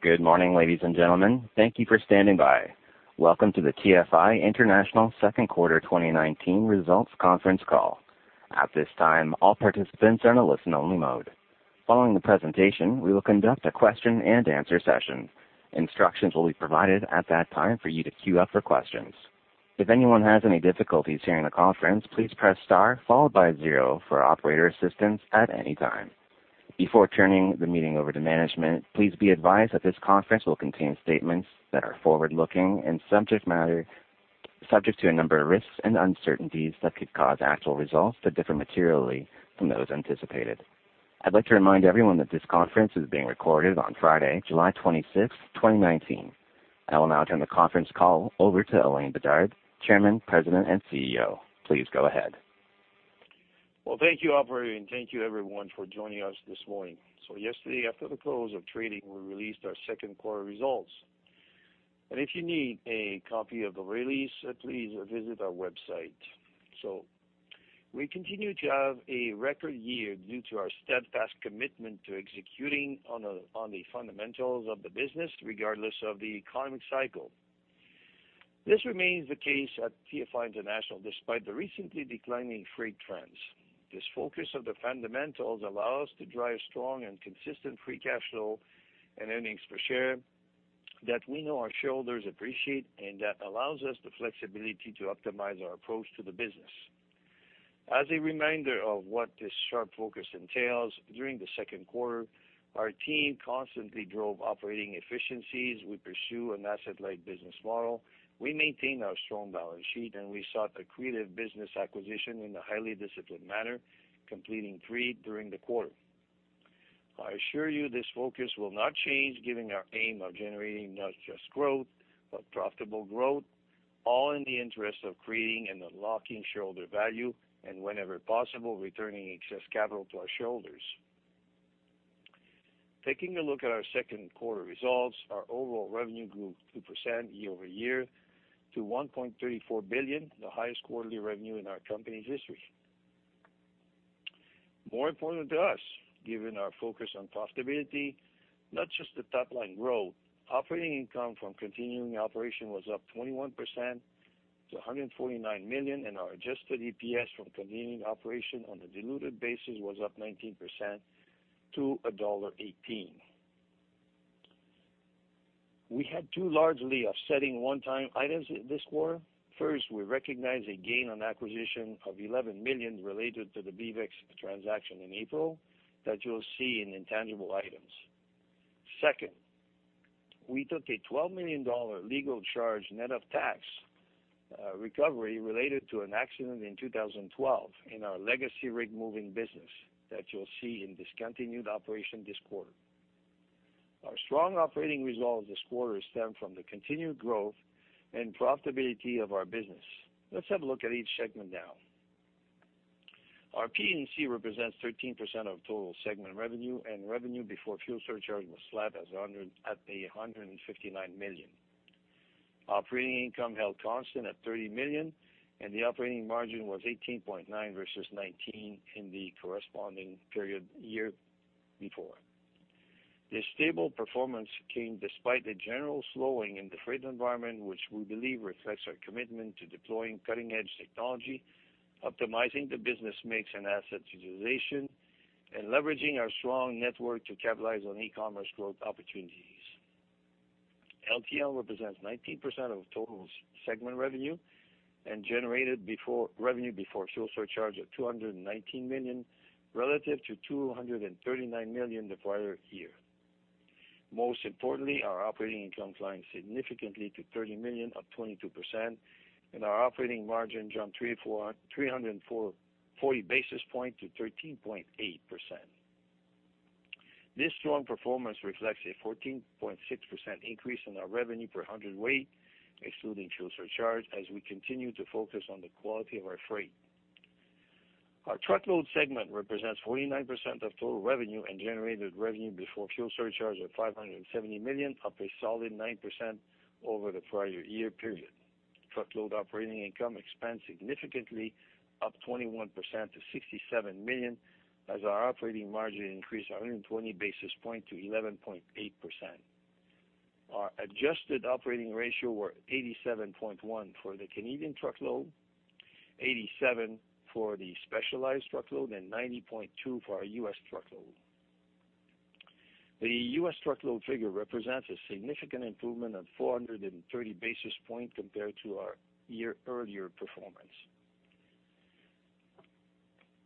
Good morning, ladies and gentlemen. Thank you for standing by. Welcome to the TFI International second quarter 2019 results conference call. At this time, all participants are in a listen only mode. Following the presentation, we will conduct a question and answer session. Instructions will be provided at that time for you to queue up for questions. If anyone has any difficulties hearing the conference, please press star followed by zero for operator assistance at any time. Before turning the meeting over to management, please be advised that this conference will contain statements that are forward-looking and subject to a number of risks and uncertainties that could cause actual results to differ materially from those anticipated. I'd like to remind everyone that this conference is being recorded on Friday, July 26th, 2019. I will now turn the conference call over to Alain Bédard, Chairman, President, and CEO. Please go ahead. Well, thank you, operator, and thank you everyone for joining us this morning. Yesterday, after the close of trading, we released our second quarter results. If you need a copy of the release, please visit our website. We continue to have a record year due to our steadfast commitment to executing on the fundamentals of the business, regardless of the economic cycle. This remains the case at TFI International, despite the recently declining freight trends. This focus on the fundamentals allow us to drive strong and consistent free cash flow and earnings per share that we know our shareholders appreciate and that allows us the flexibility to optimize our approach to the business. As a reminder of what this sharp focus entails, during the second quarter, our team constantly drove operating efficiencies. We pursue an asset-light business model. We maintain our strong balance sheet, and we sought accretive business acquisition in a highly disciplined manner, completing three during the quarter. I assure you this focus will not change given our aim of generating not just growth, but profitable growth, all in the interest of creating and unlocking shareholder value, and whenever possible, returning excess capital to our shareholders. Taking a look at our second quarter results, our overall revenue grew 2% year-over-year to 1.34 billion, the highest quarterly revenue in our company's history. More important to us, given our focus on profitability, not just the top-line growth, operating income from continuing operation was up 21% to 149 million, and our adjusted EPS from continuing operation on a diluted basis was up 19% to dollar 1.18. We had two largely offsetting one-time items this quarter. First, we recognized a gain on acquisition of 11 million related to the BeavEx transaction in April that you'll see in intangible items. Second, we took a 12 million dollar legal charge net of tax recovery related to an accident in 2012 in our legacy rig moving business that you'll see in discontinued operation this quarter. Our strong operating results this quarter stem from the continued growth and profitability of our business. Let's have a look at each segment now. Our P&C represents 13% of total segment revenue, and revenue before fuel surcharge was flat at 159 million. Operating income held constant at 30 million, and the operating margin was 18.9% versus 19% in the corresponding period year before. This stable performance came despite a general slowing in the freight environment, which we believe reflects our commitment to deploying cutting-edge technology, optimizing the business mix and asset utilization, and leveraging our strong network to capitalize on e-commerce growth opportunities. LTL represents 19% of total segment revenue and generated revenue before fuel surcharge of 219 million relative to 239 million the prior year. Most importantly, our operating income climbed significantly to 30 million, up 22%, and our operating margin jumped 340 basis points to 13.8%. This strong performance reflects a 14.6% increase in our revenue per hundred weight, excluding fuel surcharge, as we continue to focus on the quality of our freight. Our truckload segment represents 49% of total revenue and generated revenue before fuel surcharge of 570 million, up a solid 9% over the prior year period. Truckload operating income expanded significantly, up 21% to 67 million, as our operating margin increased 120 basis points to 11.8%. Our adjusted operating ratio were 87.1 for the Canadian truckload, 87 for the specialized truckload, and 90.2 for our U.S. truckload. The U.S. truckload figure represents a significant improvement of 430 basis points compared to our earlier performance.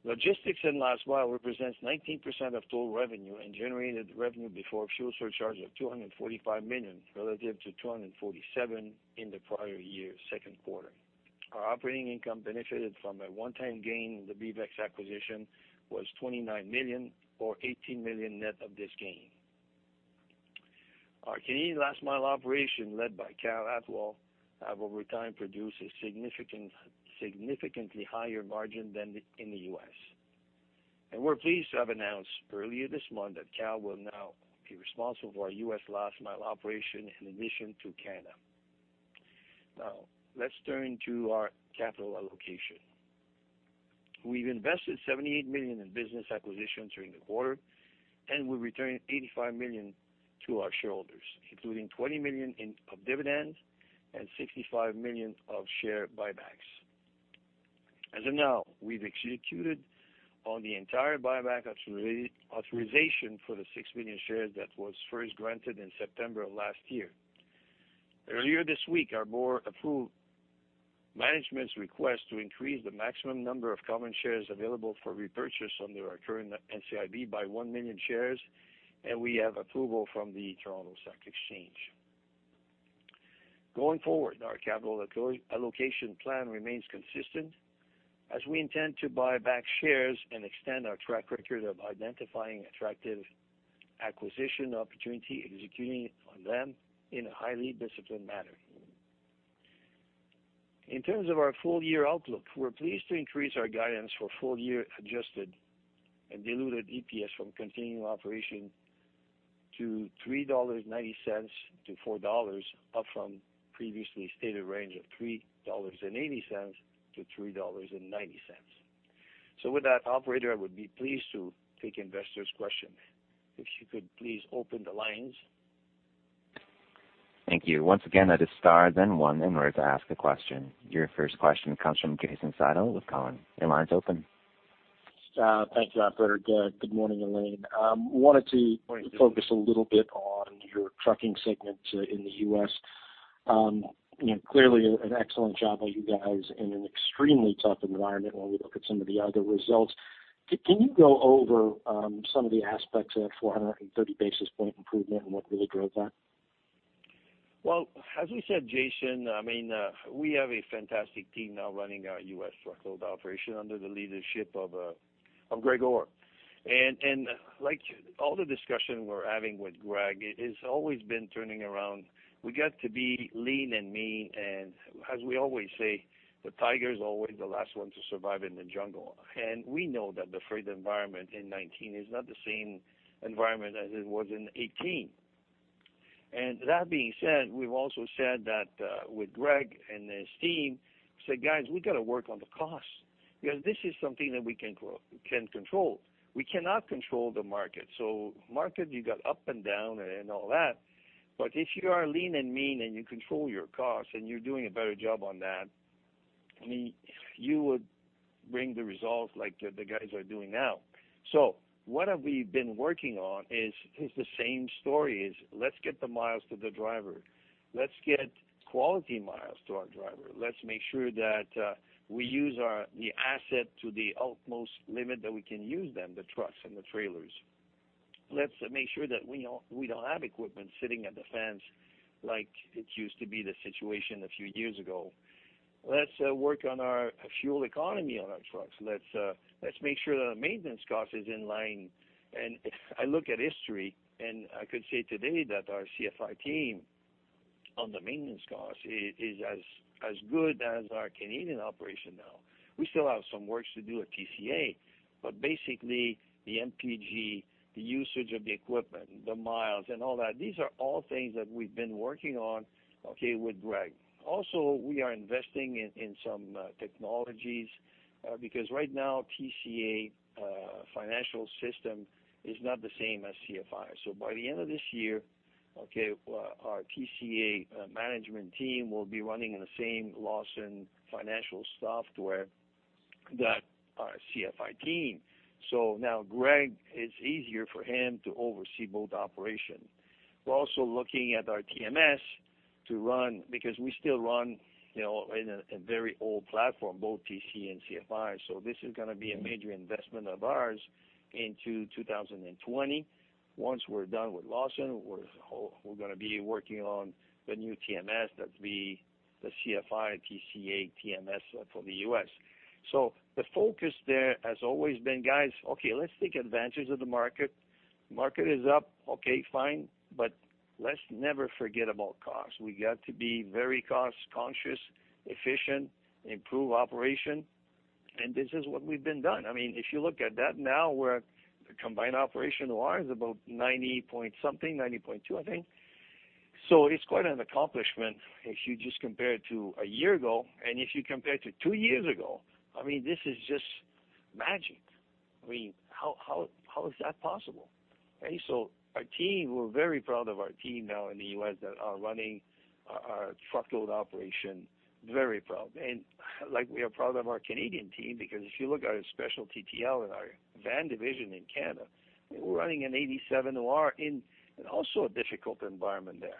Logistics and last mile represents 19% of total revenue and generated revenue before fuel surcharge of 245 million relative to 247 million in the prior year's second quarter. Our operating income benefited from a one-time gain. The BeavEx acquisition was 29 million, or 18 million net of this gain. Our Canadian last mile operation, led by Kal Atwal, have over time produced a significantly higher margin than in the U.S. We're pleased to have announced earlier this month that Kal will now be responsible for our U.S. last mile operation in addition to Canada. Let's turn to our capital allocation. We've invested 78 million in business acquisitions during the quarter, and we returned 85 million to our shareholders, including 20 million of dividends and 65 million of share buybacks. As of now, we've executed on the entire buyback authorization for the 6 million shares that was first granted in September of last year. Earlier this week, our board approved management's request to increase the maximum number of common shares available for repurchase under our current NCIB by 1 million shares, and we have approval from the Toronto Stock Exchange. Going forward, our capital allocation plan remains consistent as we intend to buyback shares and extend our track record of identifying attractive acquisition opportunity, executing on them in a highly disciplined manner. In terms of our full-year outlook, we're pleased to increase our guidance for full-year adjusted and diluted EPS from continuing operation to 3.90-4 dollars, up from previously stated range of 3.80-3.90 dollars. With that, operator, I would be pleased to take investors' questions. If you could please open the lines. Thank you. Once again, that is star, then one, in order to ask a question. Your first question comes from Jason Seidl with Cowen. Your line's open. Thank you, operator. Good morning, Alain. I wanted to focus a little bit on your trucking segment in the U.S. Clearly an excellent job by you guys in an extremely tough environment when we look at some of the other results. Can you go over some of the aspects of that 430 basis point improvement and what really drove that? Well, as we said, Jason, we have a fantastic team now running our U.S. Truckload operation under the leadership of Greg Orr. Like all the discussion we're having with Greg, it has always been turning around, we got to be lean and mean, as we always say, the tiger is always the last one to survive in the jungle. We know that the freight environment in 2019 is not the same environment as it was in 2018. That being said, we've also said that with Greg and his team, we said, "Guys, we got to work on the cost because this is something that we can control." We cannot control the market. Market, you got up and down and all that. If you are lean and mean and you control your cost and you're doing a better job on that, you would bring the results like the guys are doing now. What have we been working on is the same story is. Let's get the miles to the driver. Let's get quality miles to our driver. Let's make sure that we use the asset to the utmost limit that we can use them, the trucks and the trailers. Let's make sure that we don't have equipment sitting at the fence like it used to be the situation a few years ago. Let's work on our fuel economy on our trucks. Let's make sure that our maintenance cost is in line. If I look at history, and I could say today that our CFI team on the maintenance cost is as good as our Canadian operation now. We still have some work to do at TCA. Basically, the MPG, the usage of the equipment, the miles and all that, these are all things that we've been working on, okay, with Greg. We are investing in some technologies, because right now TCA financial system is not the same as CFI. By the end of this year, okay, our TCA management team will be running the same Lawson financial software that our CFI team. Now Greg, it's easier for him to oversee both operations. We're also looking at our TMS to run because we still run in a very old platform, both TCA and CFI. This is going to be a major investment of ours into 2020. Once we're done with Lawson, we're going to be working on the new TMS. That'd be the CFI, TCA, TMS for the U.S. The focus there has always been, guys, okay, let's take advantage of the market. Market is up, okay, fine, but let's never forget about cost. We got to be very cost-conscious, efficient, improve operation, and this is what we've been done. If you look at that now, we're combined operation-wise about 90-point something, 90.2, I think. It's quite an accomplishment if you just compare it to a year ago, and if you compare it to two years ago, this is just magic. How is that possible, okay? Our team, we're very proud of our team now in the U.S. that are running our truckload operation, very proud. Like we are proud of our Canadian team because if you look at our specialty TL and our van division in Canada, we're running an 87% OR in also a difficult environment there.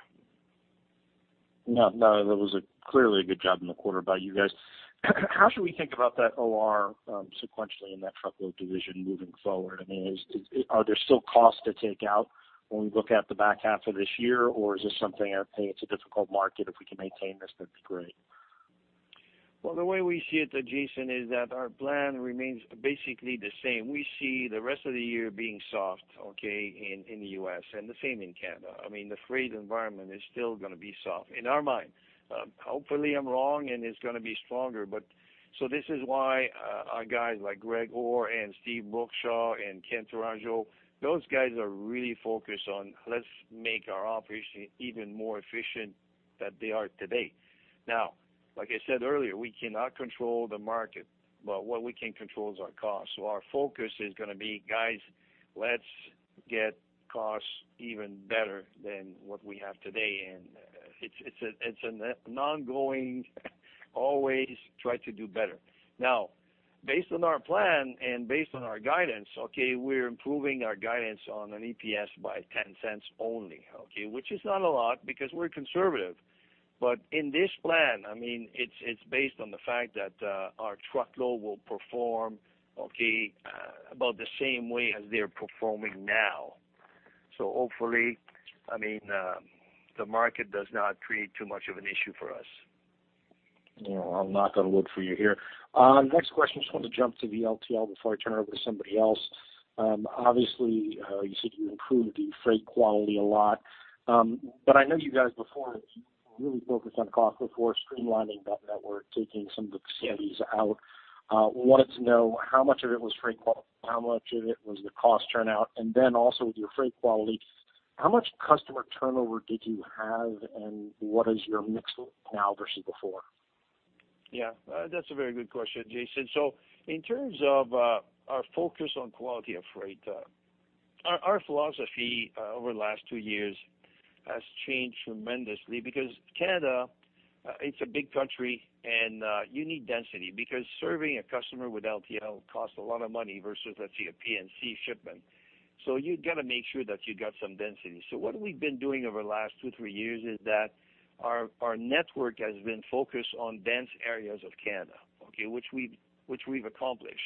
No, that was a clearly a good job in the quarter by you guys. How should we think about that OR sequentially in that truckload division moving forward? Are there still costs to take out when we look at the back half of this year? Is this something, hey, it's a difficult market, if we can maintain this, that's great? Well, the way we see it, Jason, is that our plan remains basically the same. We see the rest of the year being soft, okay, in the U.S. and the same in Canada. The freight environment is still going to be soft in our mind. Hopefully, I'm wrong and it's going to be stronger. This is why our guys like Greg Orr and Steve Brookshaw and Ken Tourangeau, those guys are really focused on let's make our operation even more efficient than they are today. Now, like I said earlier, we cannot control the market, but what we can control is our cost. Our focus is going to be, guys, let's get costs even better than what we have today. It's an ongoing, always try to do better. Based on our plan and based on our guidance, okay, we're improving our guidance on an EPS by 0.10 only, okay, which is not a lot because we're conservative. In this plan, it's based on the fact that our truckload will perform, okay, about the same way as they're performing now. Hopefully, the market does not create too much of an issue for us. Yeah, I'll knock on wood for you here. Next question, I just want to jump to the LTL before I turn it over to somebody else. Obviously, you said you improved the freight quality a lot. I know you guys before really focused on cost before streamlining that network, taking some of the cities out. I wanted to know how much of it was freight quality, how much of it was the cost turnout? Also with your freight quality, how much customer turnover did you have, and what is your mix now versus before? Yeah, that's a very good question, Jason. In terms of our focus on quality of freight, our philosophy over the last two years has changed tremendously because Canada, it's a big country and you need density because serving a customer with LTL costs a lot of money versus, let's say, a P&C shipment. You got to make sure that you got some density. What we've been doing over the last two, three years is that our network has been focused on dense areas of Canada, okay, which we've accomplished.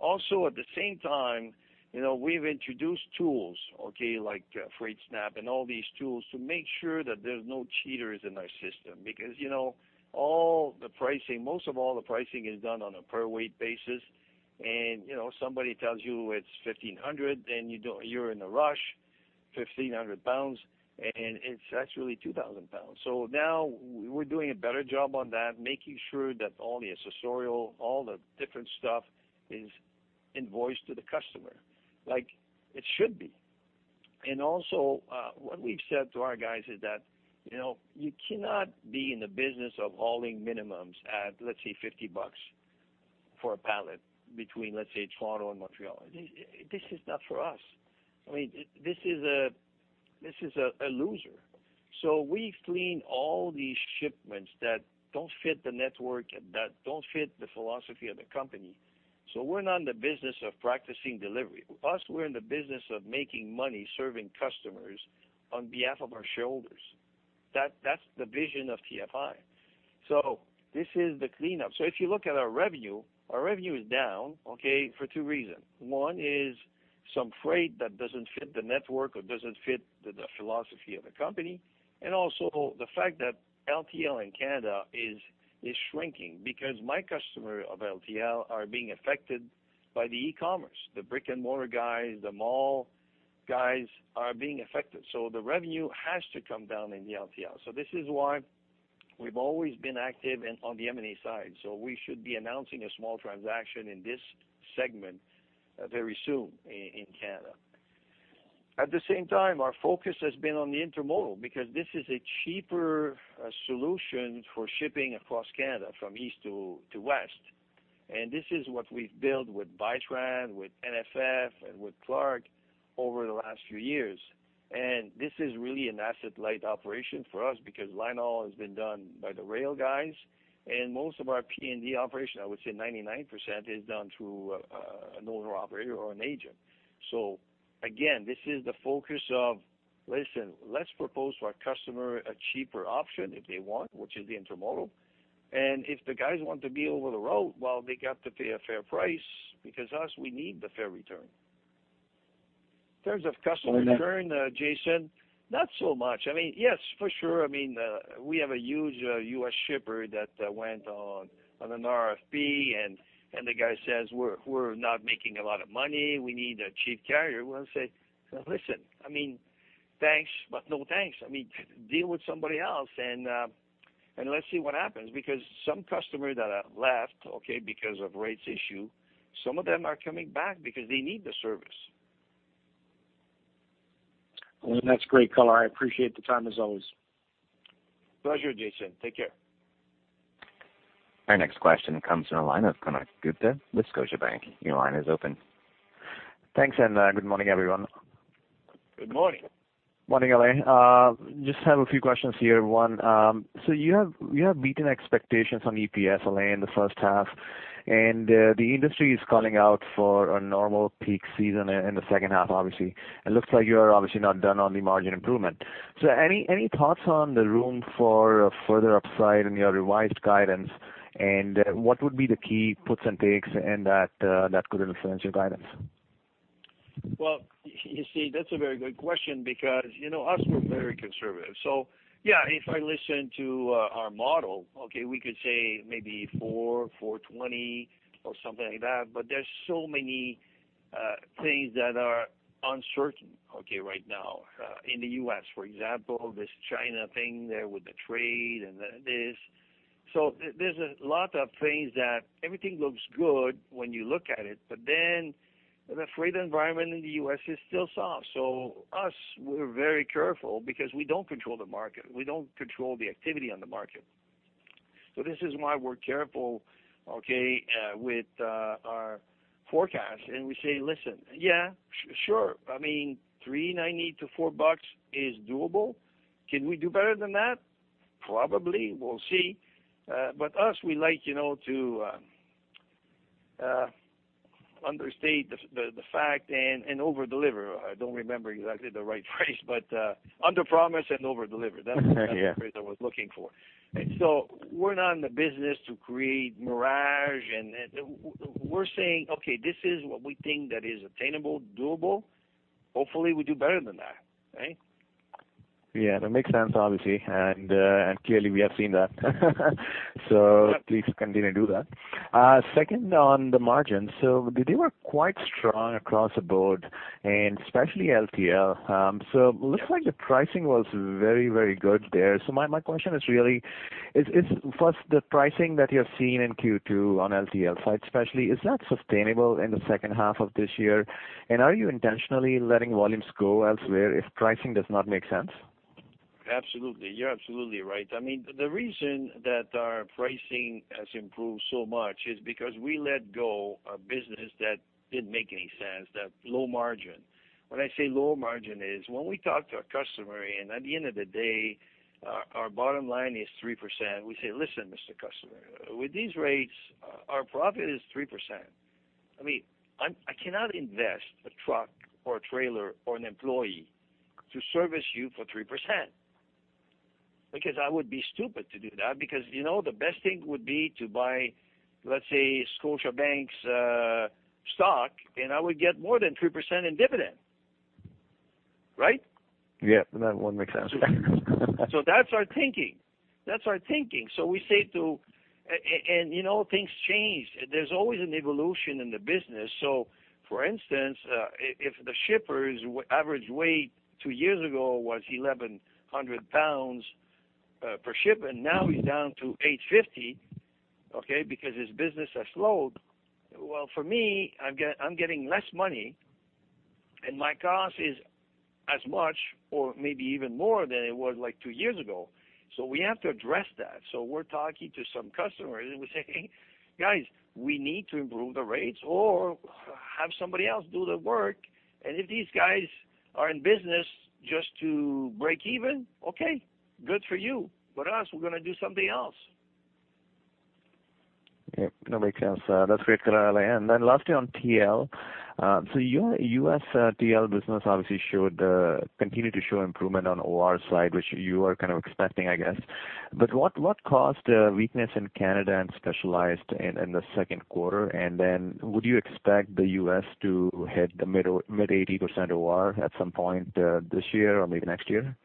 At the same time, we've introduced tools, okay, like FreightSnap and all these tools to make sure that there's no cheaters in our system. All the pricing, most of all the pricing is done on a per weight basis. Somebody tells you it's 1,500, then you're in a rush, 1,500 lbs, and it's actually 2,000 lbs. Now we're doing a better job on that, making sure that all the accessorial, all the different stuff is invoiced to the customer, like it should be. Also, what we've said to our guys is that, you cannot be in the business of hauling minimums at, let's say, 50 bucks for a pallet between, let's say, Toronto and Montreal. This is not for us. This is a loser. We've cleaned all these shipments that don't fit the network, that don't fit the philosophy of the company. We're not in the business of practicing delivery. With us, we're in the business of making money, serving customers on behalf of our shareholders. That's the vision of TFI. This is the cleanup. If you look at our revenue, our revenue is down, okay, for two reasons. One is some freight that doesn't fit the network or doesn't fit the philosophy of the company, and also the fact that LTL in Canada is shrinking because my customer of LTL are being affected by the e-commerce. The brick-and-mortar guys, the mall guys are being affected. The revenue has to come down in the LTL. This is why we've always been active on the M&A side. We should be announcing a small transaction in this segment very soon in Canada. At the same time, our focus has been on the intermodal because this is a cheaper solution for shipping across Canada from east to west. This is what we've built with Vitran, with NFF, and with Clarke over the last few years. This is really an asset-light operation for us because line-haul has been done by the rail guys, and most of our P&D operation, I would say 99%, is done through an owner-operator or an agent. Again, this is the focus of, listen, let's propose to our customer a cheaper option if they want, which is the intermodal. If the guys want to be over the road, well, they got to pay a fair price because us, we need the fair return. In terms of customer churn, Jason, not so much. I mean, yes, for sure, we have a huge U.S. shipper that went on an RFP, and the guy says, "We're not making a lot of money. We need a cheap carrier." Well, I say, "Listen, thanks, but no thanks. Deal with somebody else, and let's see what happens." Some customers that have left, okay, because of rates issue, some of them are coming back because they need the service. Well, that's great, Alain. I appreciate the time, as always. Pleasure, Jason. Take care. Our next question comes from the line of Konark Gupta with Scotiabank. Your line is open. Thanks, and good morning, everyone. Good morning. Morning, Alain. Just have a few questions here. One, you have beaten expectations on EPS, Alain, in the first half, and the industry is calling out for a normal peak season in the second half, obviously. It looks like you're obviously not done on the margin improvement. Any thoughts on the room for further upside in your revised guidance? What would be the key puts and takes in that could influence your guidance? Well, you see, that's a very good question because us, we're very conservative. Yeah, if I listen to our model, okay, we could say maybe 4%, 4.20% or something like that, but there's so many things that are uncertain, okay, right now. In the U.S., for example, this China thing there with the trade. There's a lot of things that everything looks good when you look at it, the freight environment in the U.S. is still soft. Us, we're very careful because we don't control the market. We don't control the activity on the market. This is why we're careful, okay, with our forecast, and we say, "Listen, yeah, sure. I mean, 3.90 to 4 bucks is doable." Can we do better than that? Probably. We'll see. Us, we like to understate the fact and overdeliver. I don't remember exactly the right phrase, but underpromise and over-deliver. Yeah. That's the phrase I was looking for. We're not in the business to create mirage, and we're saying, "Okay, this is what we think that is attainable, doable. Hopefully, we do better than that." Right? That makes sense, obviously, and clearly, we have seen that. Please continue to do that. Second on the margin. They were quite strong across the board and especially LTL. Looks like the pricing was very, very good there. My question is really, first, the pricing that you're seeing in Q2 on LTL side especially, is that sustainable in the second half of this year? Are you intentionally letting volumes go elsewhere if pricing does not make sense? Absolutely. You're absolutely right. The reason that our pricing has improved so much is because we let go a business that didn't make any sense, that low margin. When I say low margin is when we talk to a customer and at the end of the day, our bottom line is 3%, we say, "Listen, Mr. Customer, with these rates, our profit is 3%." I cannot invest a truck or a trailer or an employee to service you for 3%, because I would be stupid to do that because the best thing would be to buy, let's say, Scotiabank's stock, and I would get more than 3% in dividend. Right? Yeah, that one makes sense. That's our thinking. Things change. There's always an evolution in the business. For instance, if the shippers' average weight two years ago was 1,100 lbs per shipment, now he's down to 850, okay, because his business has slowed. For me, I'm getting less money, and my cost is as much or maybe even more than it was two years ago. We have to address that. We're talking to some customers, and we're saying, "Guys, we need to improve the rates or have somebody else do the work." If these guys are in business just to break even, okay, good for you. Us, we're going to do something else. Yep, that makes sense. That's great, Alain. Lastly on TL. Your U.S. TL business obviously continued to show improvement on OR side, which you were kind of expecting, I guess. What caused weakness in Canada and specialized in the second quarter, and then would you expect the U.S. to hit the mid-80% OR at some point this year or maybe next year?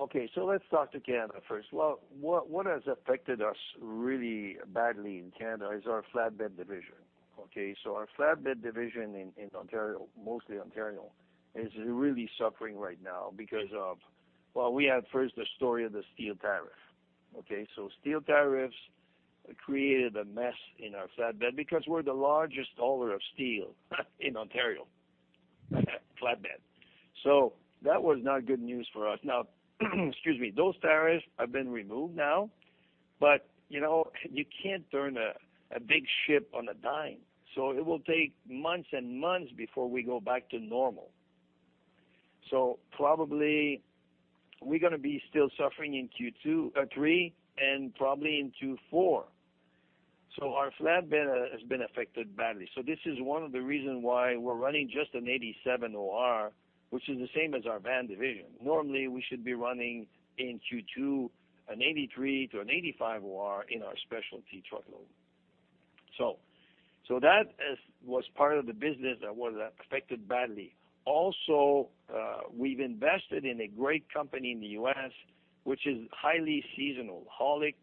Okay. Let's talk to Canada first. What has affected us really badly in Canada is our flatbed division. Our flatbed division in Ontario, mostly Ontario, is really suffering right now because of, we had first the story of the steel tariff. Steel tariffs created a mess in our flatbed because we're the largest hauler of steel in Ontario, flatbed. That was not good news for us. Excuse me, those tariffs have been removed now, but you can't turn a big ship on a dime. It will take months and months before we go back to normal. Probably we're going to be still suffering in Q3 and probably into four. Our flatbed has been affected badly. This is one of the reasons why we're running just an 87% OR, which is the same as our van division. Normally, we should be running in Q2 an 83%-85% OR in our specialty truckload. That was part of the business that was affected badly. We've invested in a great company in the U.S., which is highly seasonal. Aulick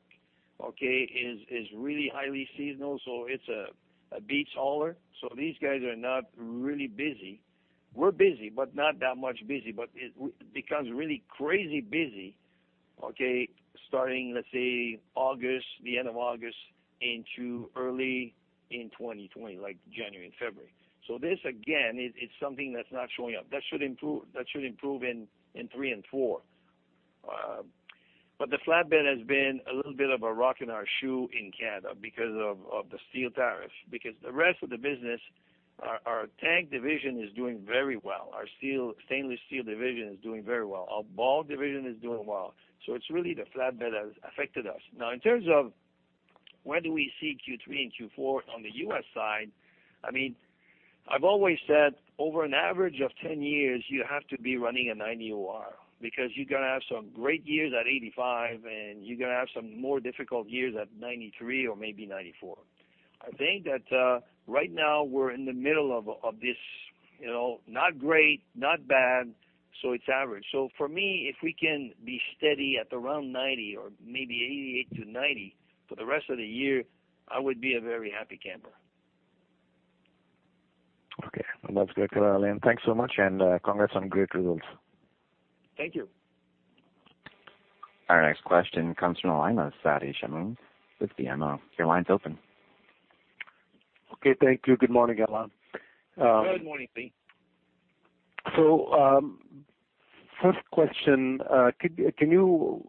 is really highly seasonal, so it's a beach hauler. These guys are not really busy. We're busy, but not that much busy, but it becomes really crazy busy, okay, starting, let's say, August, the end of August into early in 2020, like January and February. This, again, it's something that's not showing up. That should improve in three and four. The flatbed has been a little bit of a rock in our shoe in Canada because of the steel tariff, because the rest of the business, our tank division is doing very well. Our stainless steel division is doing very well. Our ball division is doing well. It's really the flatbed that has affected us. In terms of where do we see Q3 and Q4 on the U.S. side, I've always said over an average of 10 years, you have to be running a 90% OR because you're going to have some great years at 85%, and you're going to have some more difficult years at 93% or maybe 94%. I think that right now we're in the middle of this not great, not bad, so it's average. For me, if we can be steady at around 90% or maybe 88%-90% for the rest of the year, I would be a very happy camper. Okay. Well, that's great, Alain. Thanks so much. Congrats on great results. Thank you. Our next question comes from the line of Fadi Chamoun with BMO. Your line's open. Okay, thank you. Good morning, Alain. Good morning, Fadi. First question. Can you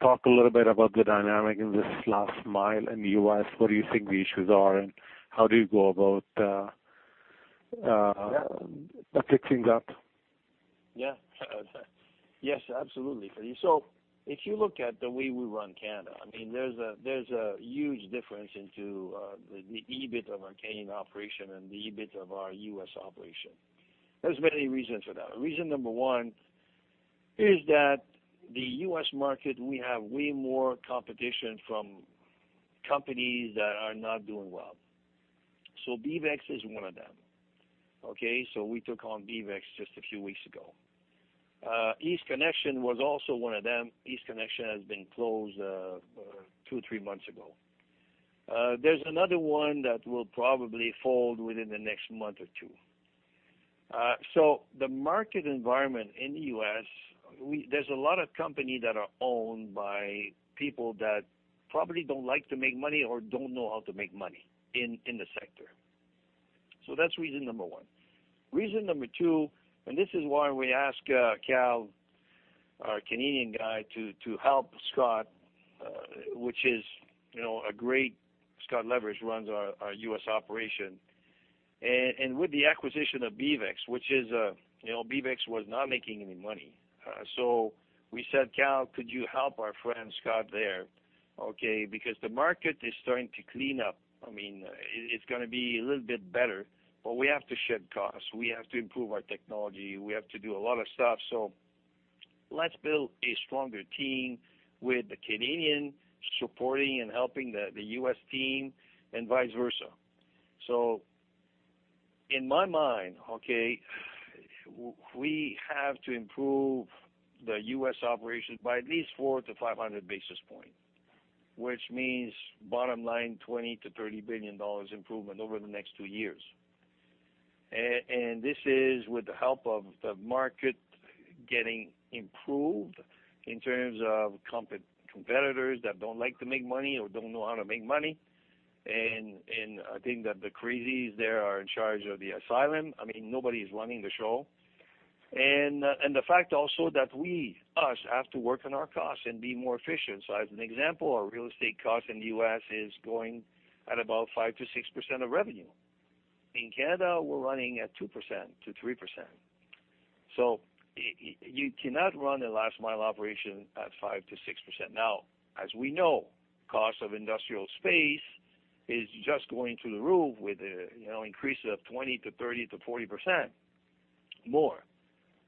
talk a little bit about the dynamic in this last mile in the U.S.? What do you think the issues are, and how do you go about fixing that? Yes, absolutely. If you look at the way we run Canada, there's a huge difference into the EBIT of our Canadian operation and the EBIT of our U.S. operation. There's many reasons for that. Reason number one is that the U.S. market, we have way more competition from companies that are not doing well. BeavEx is one of them. We took on BeavEx just a few weeks ago. East Connection was also one of them. East Connection has been closed two, three months ago. There's another one that will probably fold within the next month or two. The market environment in the U.S., there's a lot of companies that are owned by people that probably don't like to make money or don't know how to make money in the sector. That's reason number one. Reason number two, this is why we ask Kal, our Canadian guy, to help Scott, which is a great Scott Leveridge runs our U.S. operation. With the acquisition of BeavEx was not making any money. We said, "Kal, could you help our friend Scott there?" Okay. The market is starting to clean up. It's going to be a little bit better, but we have to shed costs. We have to improve our technology. We have to do a lot of stuff. Let's build a stronger team with the Canadian supporting and helping the U.S. team and vice versa. In my mind, okay, we have to improve the U.S. operations by at least 400 to 500 basis points, which means bottom line, 20 billion-30 billion dollars improvement over the next two years. This is with the help of the market getting improved in terms of competitors that don't like to make money or don't know how to make money. I think that the crazies there are in charge of the asylum. Nobody's running the show. The fact also that we, us, have to work on our costs and be more efficient. As an example, our real estate cost in the U.S. is going at about 5%-6% of revenue. In Canada, we're running at 2%-3%. You cannot run a last mile operation at 5%-6%. As we know, cost of industrial space is just going through the roof with increases of 20%-30%-40% more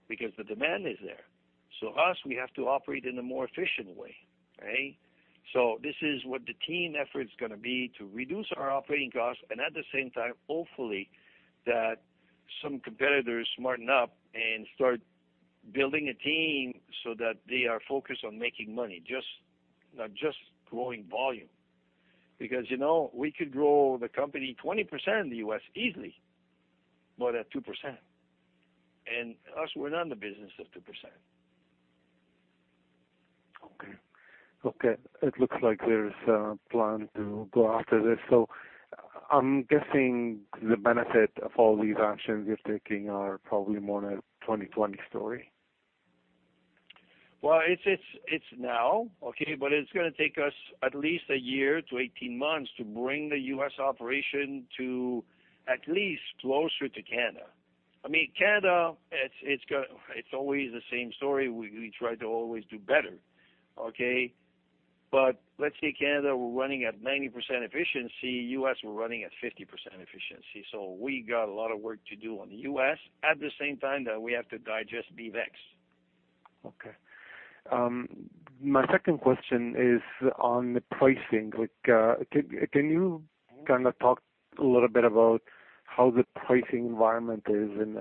because the demand is there. Us, we have to operate in a more efficient way. Right? This is what the team effort's going to be to reduce our operating costs and at the same time, hopefully, that some competitors smarten up and start building a team so that they are focused on making money, not just growing volume. We could grow the company 20% in the U.S. easily, but at 2%. Us, we're not in the business of 2%. Okay. It looks like there's a plan to go after this. I'm guessing the benefit of all these actions you're taking are probably more a 2020 story. Well, it's now, okay, but it's going to take us at least a year to 18 months to bring the U.S. operation to at least closer to Canada. Canada, it's always the same story. We try to always do better. Okay. Let's say Canada, we're running at 90% efficiency, U.S., we're running at 50% efficiency. We got a lot of work to do on the U.S. At the same time, though, we have to digest BeavEx. Okay. My second question is on the pricing. Can you talk a little bit about how the pricing environment is in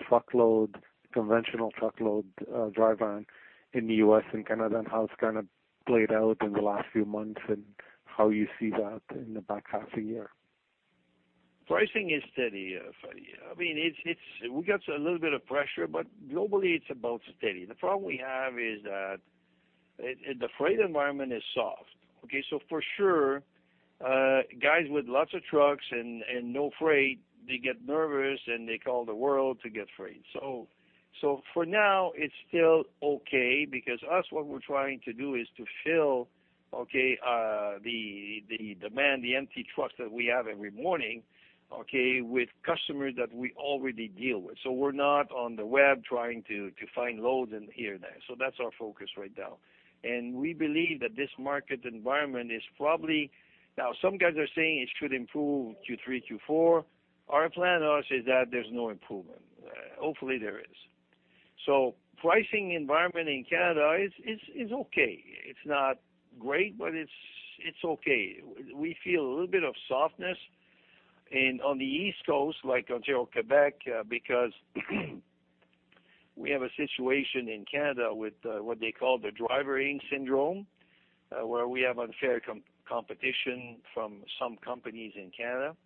truckload, conventional truckload, dry van in the U.S. and Canada, and how it's played out in the last few months and how you see that in the back half of the year? Pricing is steady. We got a little bit of pressure, but globally, it's about steady. The problem we have is that the freight environment is soft. For sure, guys with lots of trucks and no freight, they get nervous and they call the world to get freight. For now, it's still okay because us, what we're trying to do is to fill the demand, the empty trucks that we have every morning, with customers that we already deal with. We're not on the web trying to find loads and here and there. That's our focus right now. We believe that this market environment is probably, now some guys are saying it should improve Q3, Q4. Our plan, us, is that there's no improvement. Hopefully, there is. Pricing environment in Canada is okay. It's not great, but it's okay. We feel a little bit of softness on the East Coast, like Ontario, Quebec. We have a situation in Canada with what they call the Driver Inc. syndrome, where we have unfair competition from some companies in Canada.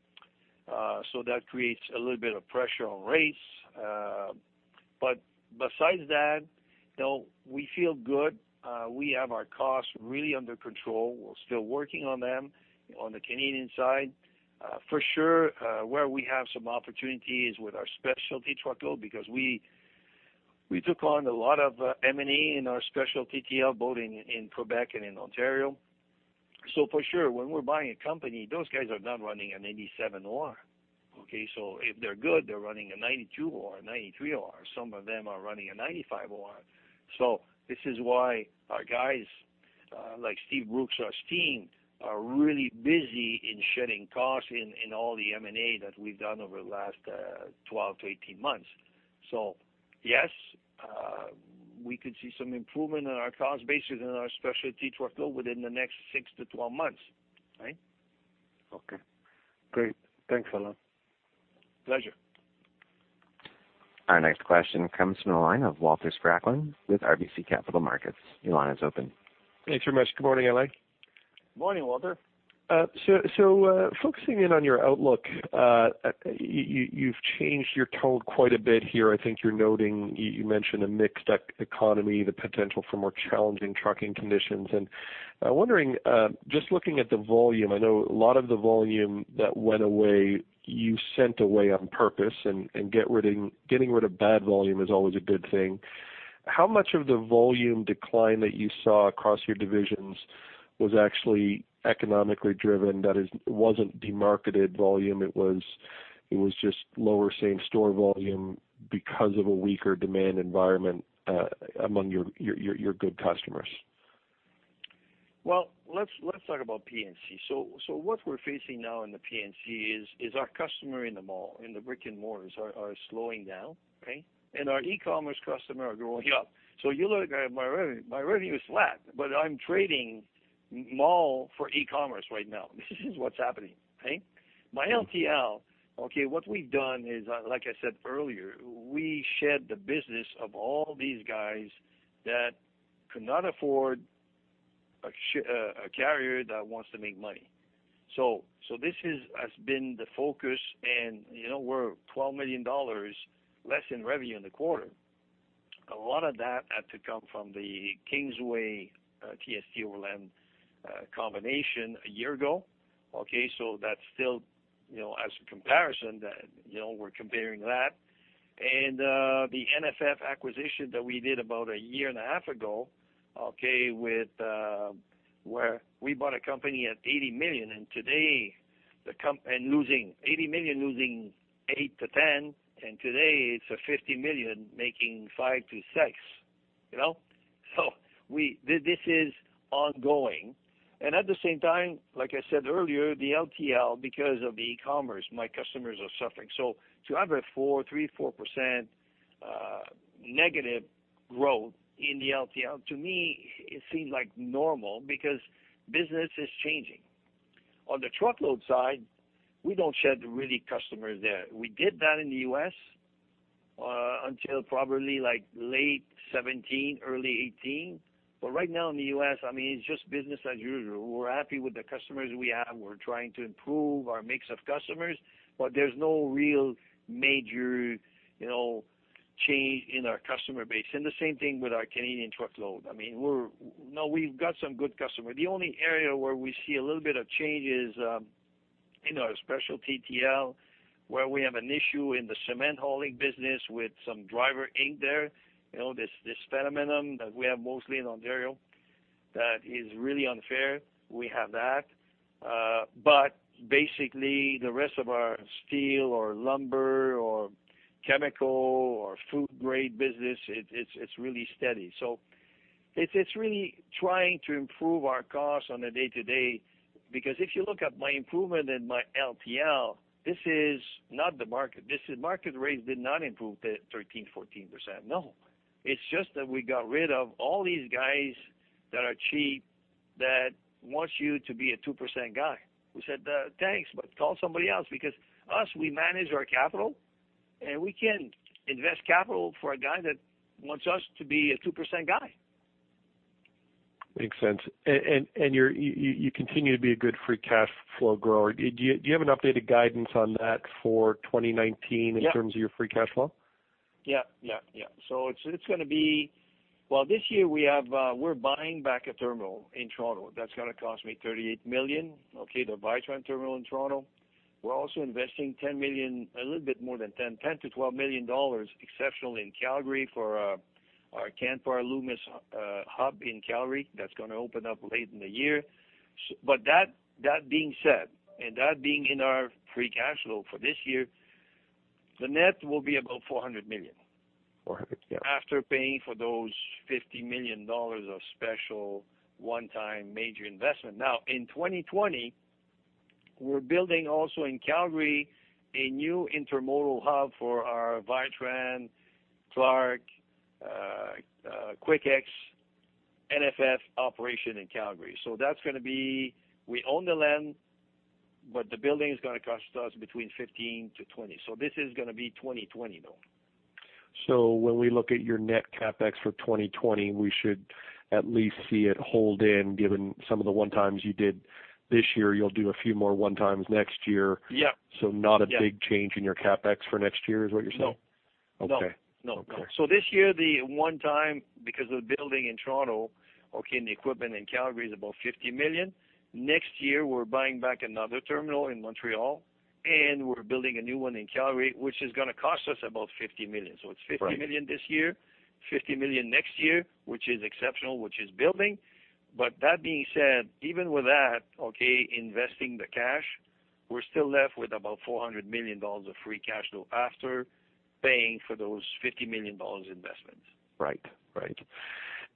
That creates a little bit of pressure on rates. Besides that, we feel good. We have our costs really under control. We're still working on them on the Canadian side. For sure, where we have some opportunity is with our specialty truckload, because we took on a lot of M&A in our specialty TL, both in Quebec and in Ontario. For sure, when we're buying a company, those guys are not running an 87% OR. Okay, so if they're good, they're running a 92% OR, a 93% OR. Some of them are running a 95% OR. This is why our guys, like Steve Brookshaw, our team, are really busy in shedding costs in all the M&A that we've done over the last 12 to 18 months. Yes, we could see some improvement in our cost basis in our specialty truckload within the next six to 12 months. Right? Okay. Great. Thanks a lot. Pleasure. Our next question comes from the line of Walter Spracklin with RBC Capital Markets. Your line is open. Thanks very much. Good morning, Alain. Morning, Walter. Focusing in on your outlook, you've changed your tone quite a bit here. I think you're noting, you mentioned a mixed economy, the potential for more challenging trucking conditions, and I'm wondering, just looking at the volume, I know a lot of the volume that went away, you sent away on purpose and getting rid of bad volume is always a good thing. How much of the volume decline that you saw across your divisions was actually economically driven, that is, wasn't de-marketed volume, it was just lower same store volume because of a weaker demand environment among your good customers? Well, let's talk about P&C. What we're facing now in the P&C is our customer in the mall, in the brick-and-mortars are slowing down. Okay. Our e-commerce customer are going up. You look at my revenue, my revenue is flat, but I'm trading mall for e-commerce right now. This is what's happening, okay. My LTL, okay, what we've done is, like I said earlier, we shed the business of all these guys that could not afford a carrier that wants to make money. This has been the focus and we're 12 million dollars less in revenue in the quarter. A lot of that had to come from the Kingsway, TST Overland combination a year ago. That's still as a comparison, we're comparing that and the NFF acquisition that we did about a year and a half ago, where we bought a company at 80 million and today the comp and losing 8 million-10 million, and today it's a 50 million making 5 million-6 million. This is ongoing, and at the same time, like I said earlier, the LTL, because of the e-commerce, my customers are suffering. To have a 3%-4% negative growth in the LTL, to me, it seems like normal because business is changing. On the truckload side, we don't shed really customers there. We did that in the U.S., until probably like late 2017, early 2018. Right now in the U.S., I mean, it's just business as usual. We're happy with the customers we have. We're trying to improve our mix of customers, but there's no real major change in our customer base. The same thing with our Canadian truckload. I mean, we've got some good customer. The only area where we see a little bit of change is in our specialty TL, where we have an issue in the cement hauling business with some Driver Inc. there. This phenomenon that we have mostly in Ontario that is really unfair, we have that. Basically the rest of our steel or lumber or chemical or food grade business, it's really steady. It's really trying to improve our costs on a day-to-day, because if you look at my improvment in my LTL, this is not the market. Market rates did not improve 13%, 14%. No. It's just that we got rid of all these guys that are cheap that want you to be a 2% guy. We said, "Thanks, but call somebody else," because us, we manage our capital, and we can't invest capital for a guy that wants us to be a 2% guy. Makes sense. You continue to be a good free cash flow grower. Do you have an updated guidance on that for 2019 in terms of your free cash flow? Well, this year we're buying back a terminal in Toronto that's going to cost me 38 million. Okay, the Vitran terminal in Toronto. We're also investing 10 million, a little bit more than 10, 10 million to 12 million dollars exceptional in Calgary for our Canpar, Loomis hub in Calgary. That's going to open up late in the year. That being said, and that being in our free cash flow for this year, the net will be about 400 million. 400, yeah. After paying for those 50 million dollars of special one-time major investment. In 2020, we're building also in Calgary a new intermodal hub for our Vitran, Clarke, Quik X operation in Calgary. That's going to be, we own the land, but the building is going to cost us between 15 million to 20 million. This is going to be 2020, though. When we look at your net CapEx for 2020, we should at least see it hold in given some of the one times you did this year. You'll do a few more one times next year. Yeah. Not a big change in your CapEx for next year, is what you're saying? No. Okay. No. Okay. This year, the one time, because of the building in Toronto and the equipment in Calgary, is about 50 million. Next year, we're buying back another terminal in Montreal, and we're building a new one in Calgary, which is going to cost us about 50 million. It's 50 million this year, 50 million next year, which is exceptional, which is building. That being said, even with that, investing the cash, we're still left with about 400 million dollars of free cash flow after paying for those 50 million dollars investments. Right.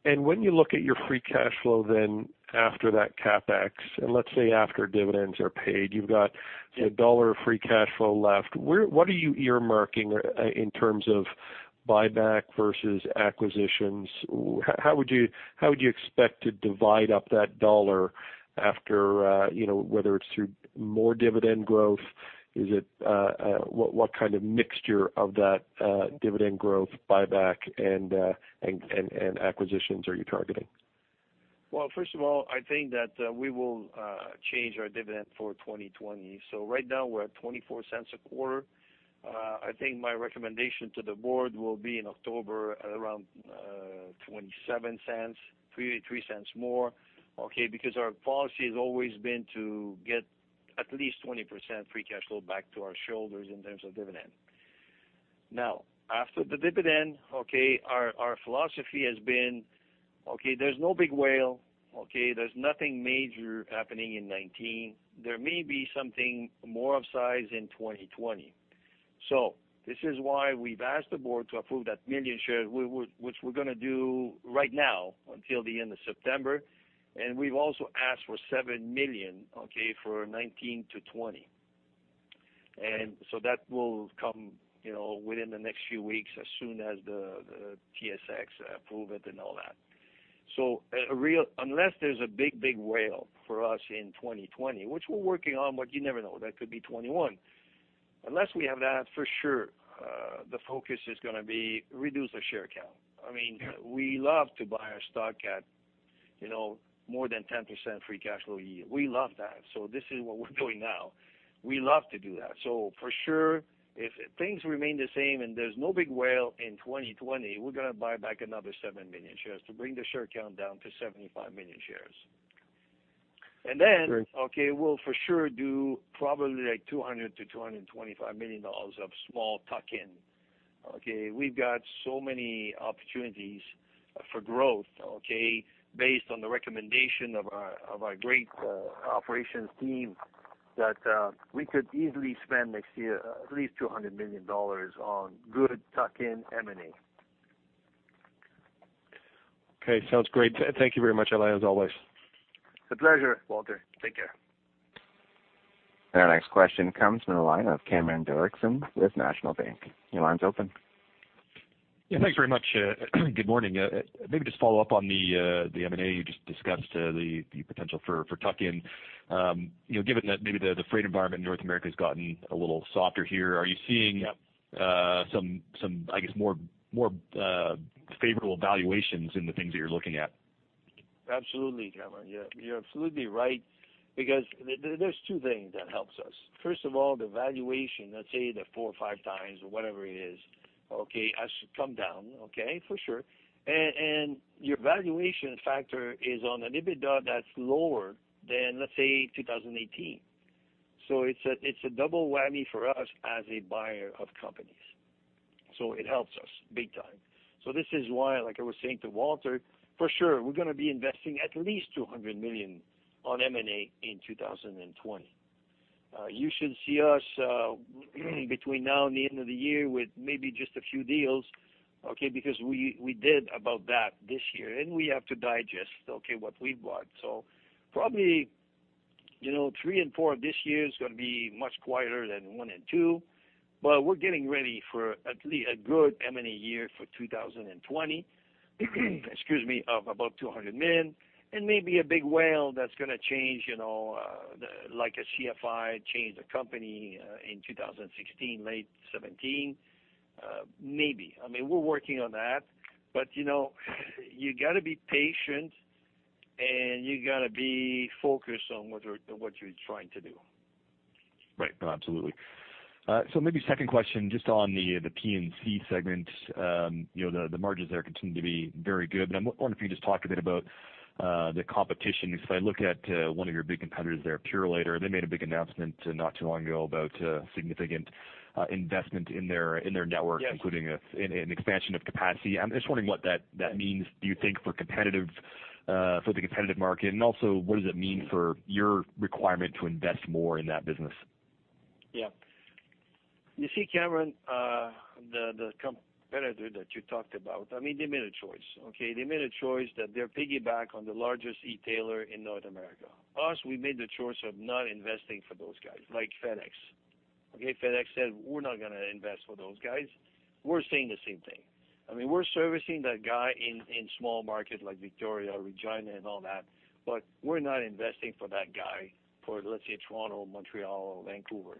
When you look at your free cash flow then after that CapEx, and let's say after dividends are paid, you've got a dollar of free cash flow left. What are you earmarking in terms of buyback versus acquisitions? How would you expect to divide up that dollar after, whether it's through more dividend growth, what kind of mixture of that dividend growth, buyback, and acquisitions are you targeting? Well, first of all, I think that we will change our dividend for 2020. Right now we're at 0.24 a quarter. I think my recommendation to the board will be in October at around 0.27, 0.03 more. Because our policy has always been to get at least 20% free cash flow back to our shareholders in terms of dividend. Now, after the dividend, our philosophy has been, there's no big whale. There's nothing major happening in 2019. There may be something more of size in 2020. This is why we've asked the board to approve that 1 million shares, which we're going to do right now until the end of September, and we've also asked for 7 million for 2019 to 2020. That will come within the next few weeks as soon as the TSX approve it and all that. Unless there's a big, big whale for us in 2020, which we're working on, but you never know, that could be 2021. Unless we have that for sure, the focus is going to be reduce the share count. We love to buy our stock at more than 10% free cash flow a year. We love that, so this is what we're doing now. We love to do that. For sure, if things remain the same and there's no big whale in 2020, we're going to buyback another 7 million shares to bring the share count down to 75 million shares. Great. We'll for sure do probably like 200 million-225 million dollars of small tuck-in. We've got so many opportunities for growth based on the recommendation of our great operations team that we could easily spend next year at least 200 million dollars on good tuck-in M&A. Okay, sounds great. Thank you very much, Alain, as always. It's a pleasure, Walter. Take care. Our next question comes from the line of Cameron Doerksen with National Bank. Your line's open. Yeah. Thanks very much. Good morning. Maybe just follow up on the M&A you just discussed, the potential for tuck-in. Given that maybe the freight environment in North America has gotten a little softer here, are you seeing- Yeah. Some, I guess, more favorable valuations in the things that you're looking at? Absolutely, Cameron. You're absolutely right, because there's two things that helps us. First of all, the valuation, let's say the four or five times or whatever it is, has come down. For sure. Your valuation factor is on an EBITDA that's lower than, let's say, 2018. It's a double whammy for us as a buyer of companies. This is why, like I was saying to Walter, for sure, we're going to be investing at least 200 million on M&A in 2020. You should see us between now and the end of the year with maybe just a few deals, because we did about that this year, and we have to digest what we bought. Probably three and four of this year is going to be much quieter than one and two, but we're getting ready for a good M&A year for 2020 of about 200 million. Maybe a big whale that's going to change, like a CFI changed the company in 2016, late 2017. Maybe. We're working on that. You got to be patient and you got to be focused on what you're trying to do. Right. Absolutely. Maybe second question, just on the P&C segment. The margins there continue to be very good, but I wonder if you just talk a bit about the competition, because if I look at one of your big competitors there, Purolator, they made a big announcement not too long ago about significant investment in their network. Yes. Including an expansion of capacity. I'm just wondering what that means, do you think, for the competitive market, and also, what does it mean for your requirement to invest more in that business? You see, Cameron, the competitor that you talked about, they made a choice. They made a choice that they'll piggyback on the largest e-tailer in North America. Us, we made the choice of not investing for those guys, like FedEx. FedEx said, "We're not going to invest for those guys." We're saying the same thing. We're servicing that guy in small markets like Victoria, Regina, and all that, but we're not investing for that guy, for let's say, Toronto, Montreal, or Vancouver.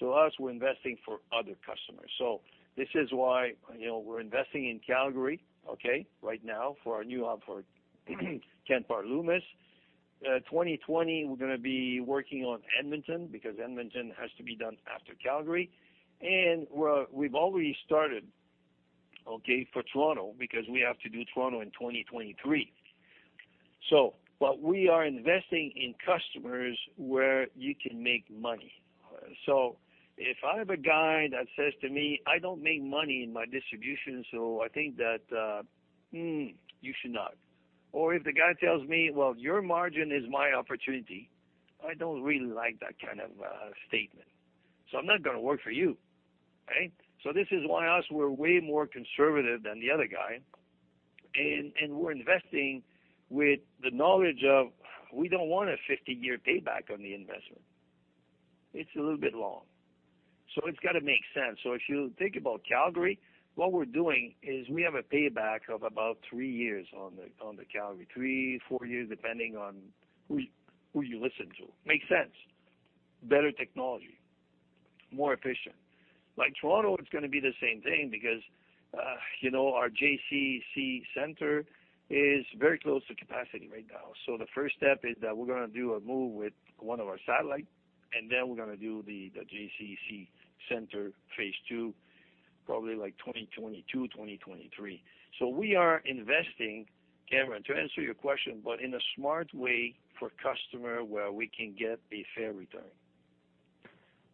Us, we're investing for other customers. This is why we're investing in Calgary right now for our new hub for Canpar, Loomis. 2020, we're going to be working on Edmonton, because Edmonton has to be done after Calgary, and we've already started for Toronto, because we have to do Toronto in 2023. We are investing in customers where you can make money. If I have a guy that says to me, "I don't make money in my distribution." You should not. Or if the guy tells me, "Well, your margin is my opportunity." I don't really like that kind of statement, so I'm not going to work for you. Okay. This is why us, we're way more conservative than the other guy, and we're investing with the knowledge of we don't want a 50-year payback on the investment. It's a little bit long, so it's got to make sense. If you think about Calgary, what we're doing is we have a payback of about three years on the Calgary. Three, four years, depending on who you listen to. Makes sense. Better technology, more efficient. Like Toronto, it's going to be the same thing because our JCC center is very close to capacity right now. The first step is that we're going to do a move with one of our satellite, and then we're going to do the JCC center Phase 2, probably like 2022, 2023. We are investing, Cameron, to answer your question, but in a smart way for customer where we can get a fair return.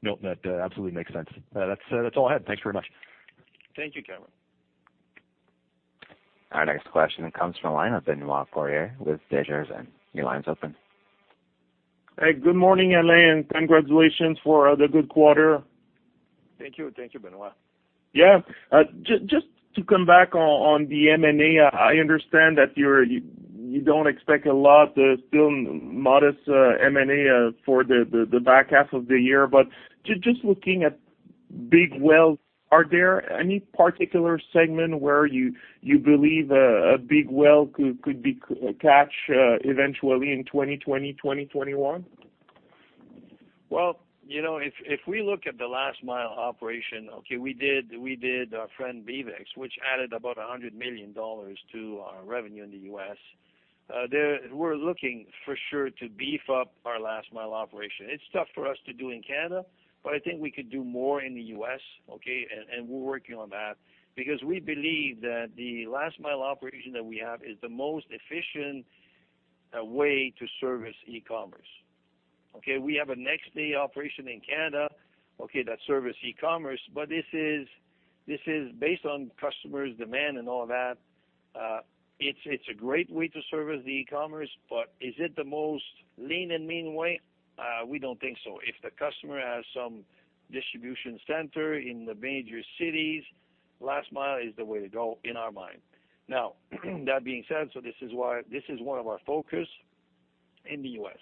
No, that absolutely makes sense. That's all I had. Thanks very much. Thank you, Cameron. Our next question comes from the line of Benoit Poirier with Desjardins. Your line's open. Hey, good morning, Alain, congratulations for the good quarter. Thank you, Benoit. Yeah. Just to come back on the M&A, I understand that you don't expect a lot, still modest M&A for the back half of the year. Just looking at big whales, are there any particular segment where you believe a big whale could be catch eventually in 2020, 2021? If we look at the last mile operation, okay, we did our friend BeavEx, which added about 100 million dollars to our revenue in the U.S. We're looking for sure to beef up our last mile operation. It's tough for us to do in Canada, but I think we could do more in the U.S., okay, and we're working on that because we believe that the last mile operation that we have is the most efficient way to service e-commerce. Okay. We have a next day operation in Canada that service e-commerce, but this is based on customers' demand and all that. It's a great way to service the e-commerce, but is it the most lean and mean way? We don't think so. If the customer has some distribution center in the major cities, last mile is the way to go in our mind. That being said, this is one of our focus in the U.S.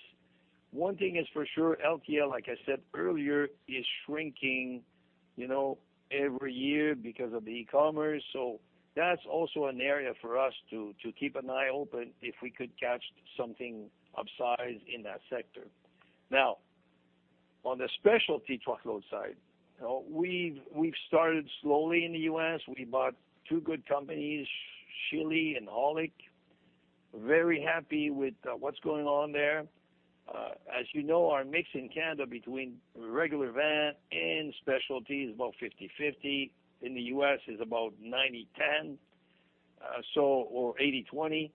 One thing is for sure, LTL, like I said earlier, is shrinking every year because of the e-commerce. That's also an area for us to keep an eye open if we could catch something of size in that sector. On the specialty truckload side, we've started slowly in the U.S. We bought two good companies, Schilli and Aulick, very happy with what's going on there. As you know, our mix in Canada between regular van and specialty is about 50/50. In the U.S., it's about 90/10, or 80/20.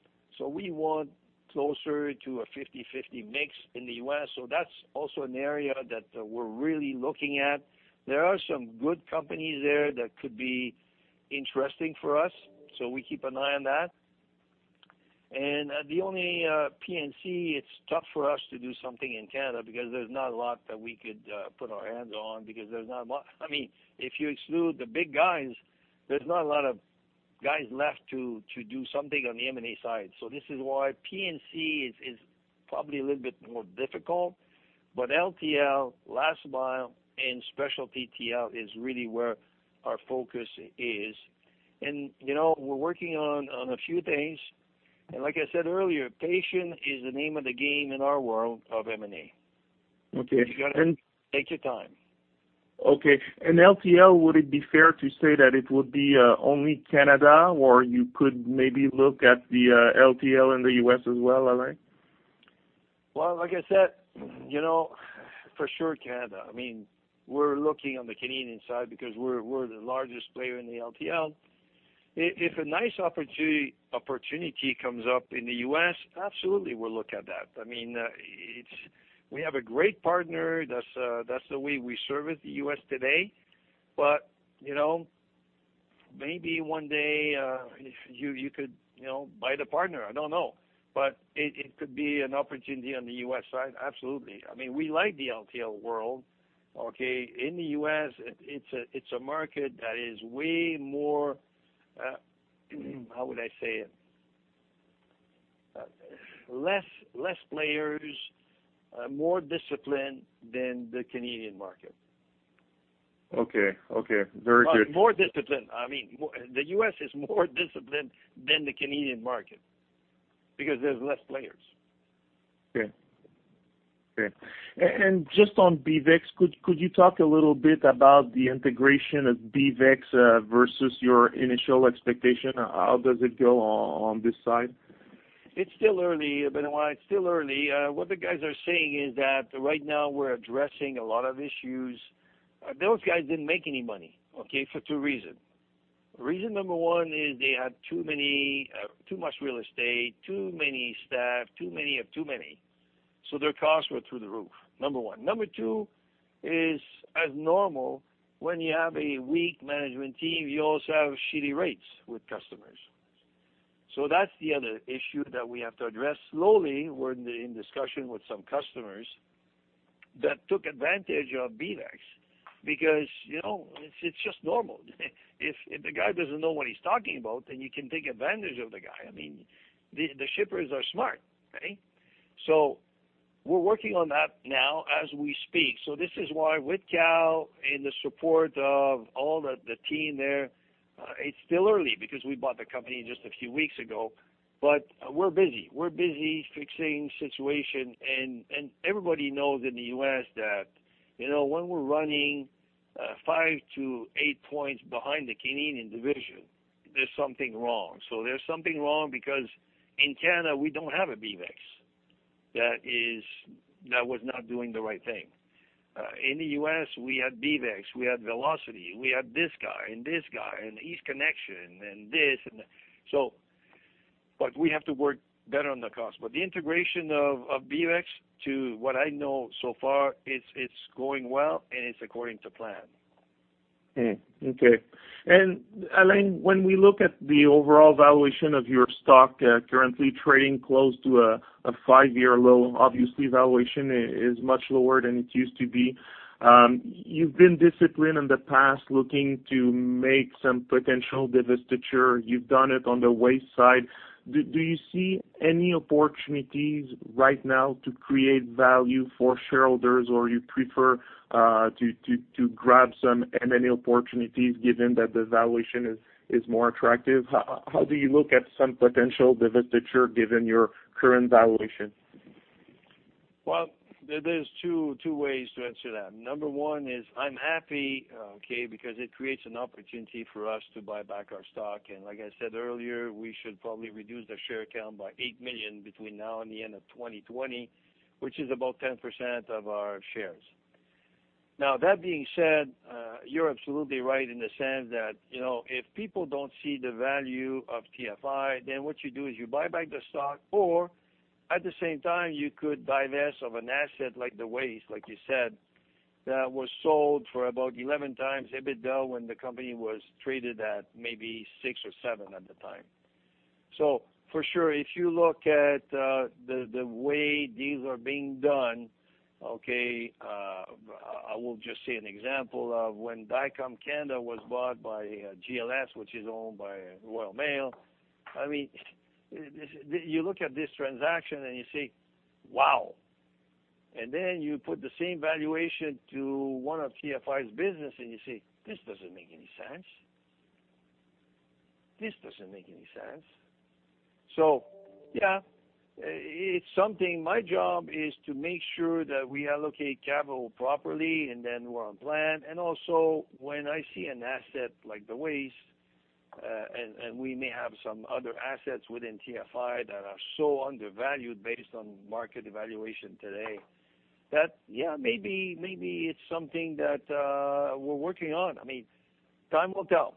We want closer to a 50/50 mix in the U.S. That's also an area that we're really looking at. There are some good companies there that could be interesting for us, so we keep an eye on that. The only P&C, it's tough for us to do something in Canada because there's not a lot that we could put our hands on. If you exclude the big guys, there's not a lot of guys left to do something on the M&A side. This is why P&C is probably a little bit more difficult, but LTL, last mile, and specialty TL is really where our focus is. We're working on a few things, and like I said earlier, patient is the name of the game in our world of M&A. Okay. You got to take your time. Okay. LTL, would it be fair to say that it would be only Canada, or you could maybe look at the LTL in the U.S. as well, Alain? Well, like I said, for sure Canada. We're looking on the Canadian side because we're the largest player in the LTL. If a nice opportunity comes up in the U.S., absolutely, we'll look at that. We have a great partner. That's the way we service the U.S. today. Maybe one day, if you could buy the partner, I don't know. It could be an opportunity on the U.S. side, absolutely. We like the LTL world, okay, in the U.S., it's a market that is way more, how would I say it? Less players, more discipline than the Canadian market. Okay. Very good. More discipline. The U.S. is more disciplined than the Canadian market because there's less players. Okay. Just on BeavEx, could you talk a little bit about the integration of BeavEx versus your initial expectation? How does it go on this side? It's still early, Benoit. What the guys are saying is that right now we're addressing a lot of issues. Those guys didn't make any money, okay, for two reasons. Reason number one is they had too much real estate, too many staff, too many of too many. Their costs were through the roof, number one. Number two is, as normal, when you have a weak management team, you also have shitty rates with customers. That's the other issue that we have to address slowly. We're in discussion with some customers that took advantage of BeavEx because it's just normal. If the guy doesn't know what he's talking about, then you can take advantage of the guy. The shippers are smart, okay? We're working on that now as we speak. This is why with Kal and the support of all the team there, it's still early because we bought the company just a few weeks ago, but we're busy. We're busy fixing situation. Everybody knows in the U.S. that when we're running five to eight points behind the Canadian division, there's something wrong. There's something wrong because in Canada, we don't have a BeavEx that was not doing the right thing. In the U.S., we had BeavEx, we had Velocity, we had this guy and this guy and East Connection and this. We have to work better on the cost. The integration of BeavEx to what I know so far, it's going well, and it's according to plan. Okay. Alain, when we look at the overall valuation of your stock, currently trading close to a five-year low, obviously valuation is much lower than it used to be. You've been disciplined in the past looking to make some potential divestiture. You've done it on the waste side. Do you see any opportunities right now to create value for shareholders, or you prefer to grab some M&A opportunities given that the valuation is more attractive? How do you look at some potential divestiture given your current valuation? Well, there's two ways to answer that. Number one is I'm happy, okay, because it creates an opportunity for us to buy back our stock. Like I said earlier, we should probably reduce the share count by eight million between now and the end of 2020, which is about 10% of our shares. That being said, you're absolutely right in the sense that if people don't see the value of TFI, then what you do is you buy back the stock, or at the same time, you could divest of an asset like the waste, like you said, that was sold for about 11 times EBITDA when the company was traded at maybe six or seven at the time. For sure, if you look at the way deals are being done, okay, I will just say an example of when Dicom Canada was bought by GLS, which is owned by Royal Mail. You look at this transaction and you say, "Wow." Then you put the same valuation to one of TFI's business and you say, "This doesn't make any sense." Yeah, it's something. My job is to make sure that we allocate capital properly and then we're on plan. Also, when I see an asset like the waste, and we may have some other assets within TFI that are so undervalued based on market evaluation today, that maybe it's something that we're working on. Time will tell.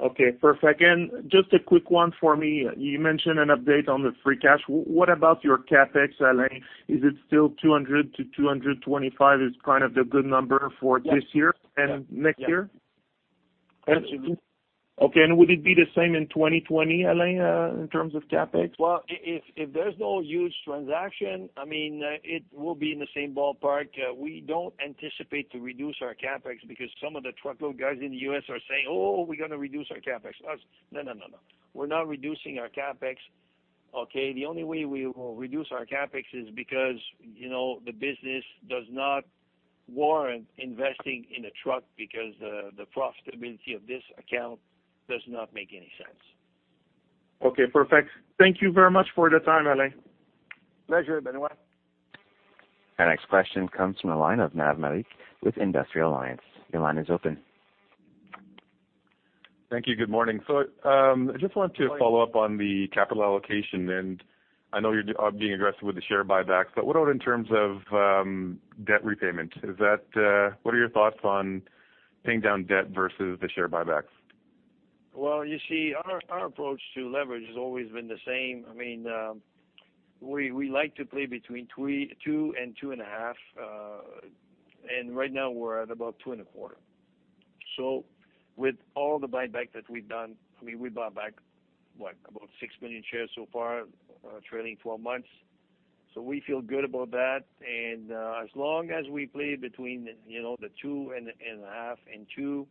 Okay, perfect. Just a quick one for me. You mentioned an update on the free cash. What about your CapEx, Alain? Is it still 200 million-225 million is kind of the good number for this year and next year? Absolutely. Okay, would it be the same in 2020, Alain, in terms of CapEx? If there's no huge transaction, it will be in the same ballpark. We don't anticipate to reduce our CapEx because some of the truckload guys in the U.S. are saying, "Oh, we're going to reduce our CapEx." No. We're not reducing our CapEx, okay? The only way we will reduce our CapEx is because the business does not warrant investing in a truck because the profitability of this account does not make any sense. Okay, perfect. Thank you very much for the time, Alain. Pleasure, Benoit. Our next question comes from the line of Nav Malik with Industrial Alliance. Your line is open. Thank you. Good morning. I just wanted to follow up on the capital allocation, and I know you're being aggressive with the share buybacks, but what about in terms of debt repayment? What are your thoughts on paying down debt versus the share buybacks? Well, you see, our approach to leverage has always been the same. We like to play between 2 and 2.5. Right now, we're at about 2.25. With all the buyback that we've done, we bought back, what, about 6 million shares so far, trailing 12 months. So we feel good about that, and as long as we play between the 2.5 and 2,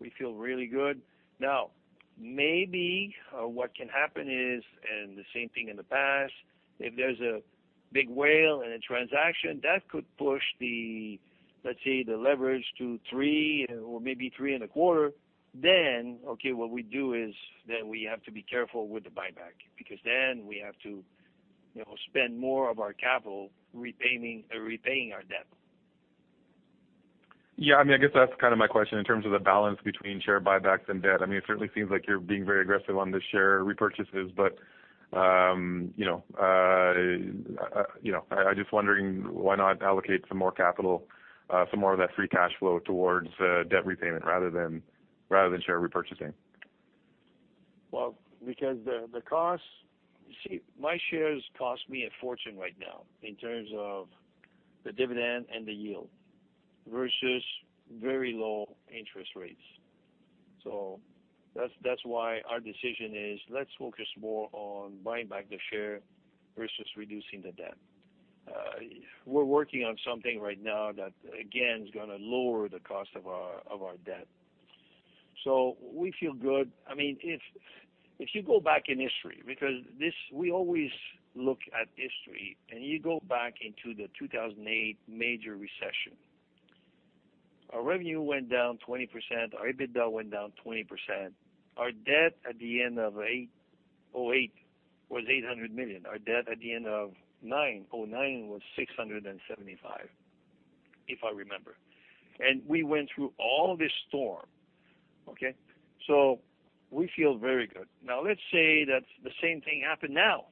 we feel really good. Maybe what can happen is, and the same thing in the past, if there's a big whale in a transaction, that could push, let's say, the leverage to 3 or maybe 3.25. Okay, what we do is then we have to be careful with the buyback because then we have to spend more of our capital repaying our debt. Yeah. I guess that's my question in terms of the balance between share buybacks and debt. It certainly seems like you're being very aggressive on the share repurchases. I'm just wondering why not allocate some more capital, some more of that free cash flow towards debt repayment rather than share repurchasing. Well, because the cost You see, my shares cost me a fortune right now in terms of the dividend and the yield versus very low interest rates. That's why our decision is let's focus more on buying back the share versus reducing the debt. We're working on something right now that, again, is going to lower the cost of our debt. We feel good. If you go back in history, because we always look at history, and you go back into the 2008 major recession. Our revenue went down 20%, our EBITDA went down 20%. Our debt at the end of 2008 was 800 million. Our debt at the end of 2009 was 675 million, if I remember. We went through all this storm. Okay? We feel very good. Now, let's say that the same thing happened now.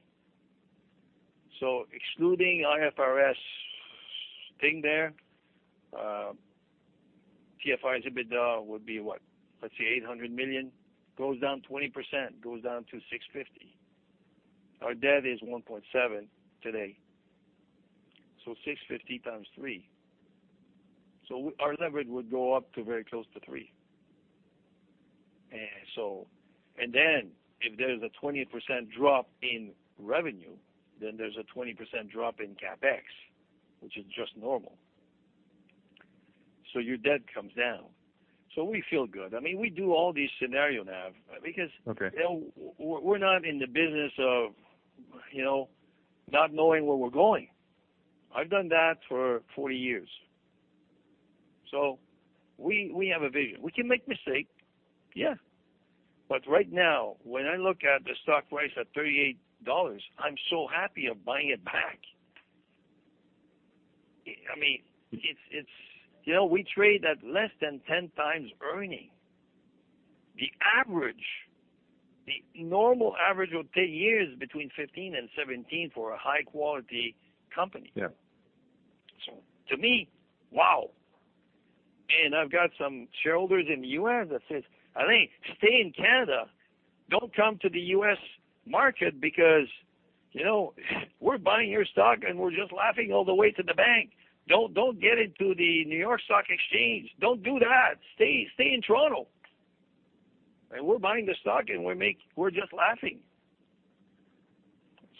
Excluding IFRS thing there, TFI's EBITDA would be what? Let's see, 800 million goes down 20%, goes down to 650 million. Our debt is 1.7 billion today, so 650 million times three. Our leverage would go up to very close to three. If there's a 20% drop in revenue, then there's a 20% drop in CapEx, which is just normal. Your debt comes down. We feel good. We do all these scenario now. Okay. We're not in the business of not knowing where we're going. I've done that for 40 years. We have a vision. We can make mistake. Yeah. Right now, when I look at the stock price at 38 dollars, I'm so happy of buying it back. We trade at less than 10x earning. The normal average of 10 years between 15 and 17 for a high-quality company. Yeah. To me, wow. I've got some shareholders in the U.S. that says, "I think stay in Canada, don't come to the U.S. market because we're buying your stock and we're just laughing all the way to the bank. Don't get into the New York Stock Exchange. Don't do that. Stay in Toronto. We're buying the stock and we're just laughing.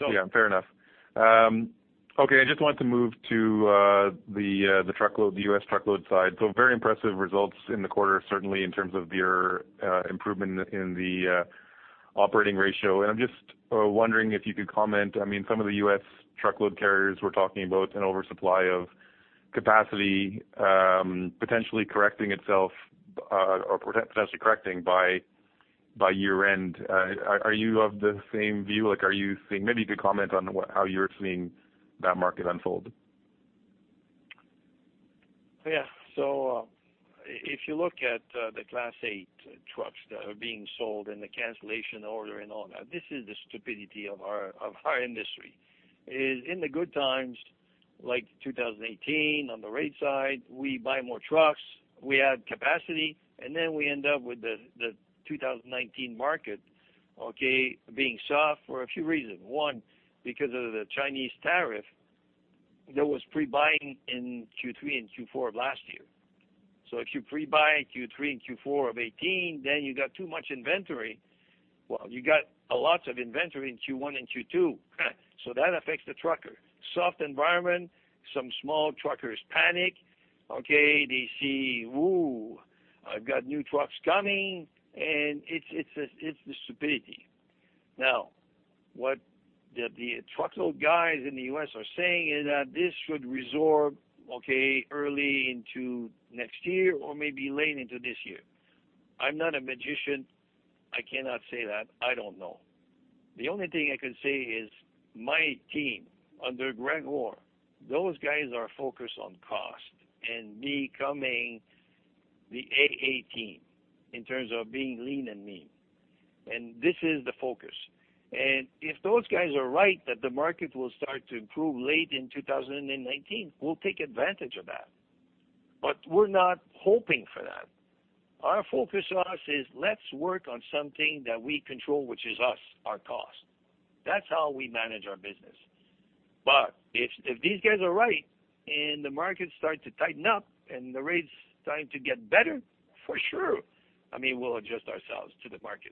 Yeah, fair enough. Okay. I just wanted to move to the U.S. truckload side. Very impressive results in the quarter, certainly in terms of your improvement in the operating ratio. I'm just wondering if you could comment, some of the U.S. truckload carriers were talking about an oversupply of capacity potentially correcting itself or potentially correcting by year-end. Are you of the same view? Maybe you could comment on how you're seeing that market unfold. Yeah. If you look at the Class 8 trucks that are being sold and the cancellation order and all that, this is the stupidity of our industry, is in the good times like 2018 on the rate side, we buy more trucks, we add capacity, and then we end up with the 2019 market, okay, being soft for a few reasons. One, because of the Chinese tariff, there was pre-buying in Q3 and Q4 of last year. If you pre-buy Q3 and Q4 of 2018, then you got too much inventory. Well, you got a lots of inventory in Q1 and Q2. That affects the trucker. Soft environment, some small truckers panic, okay, they see, ooh, I've got new trucks coming, and it's the stupidity. What the truckload guys in the U.S. are saying is that this should resorb, okay, early into next year or maybe late into this year. I'm not a magician. I cannot say that. I don't know. The only thing I can say is my team under Greg Orr, those guys are focused on cost and becoming the AA team in terms of being lean and mean. This is the focus. If those guys are right that the market will start to improve late in 2019, we'll take advantage of that. We're not hoping for that. Our focus to us is let's work on something that we control, which is us, our cost. That's how we manage our business. If these guys are right and the market start to tighten up and the rates starting to get better, for sure, we'll adjust ourselves to the market.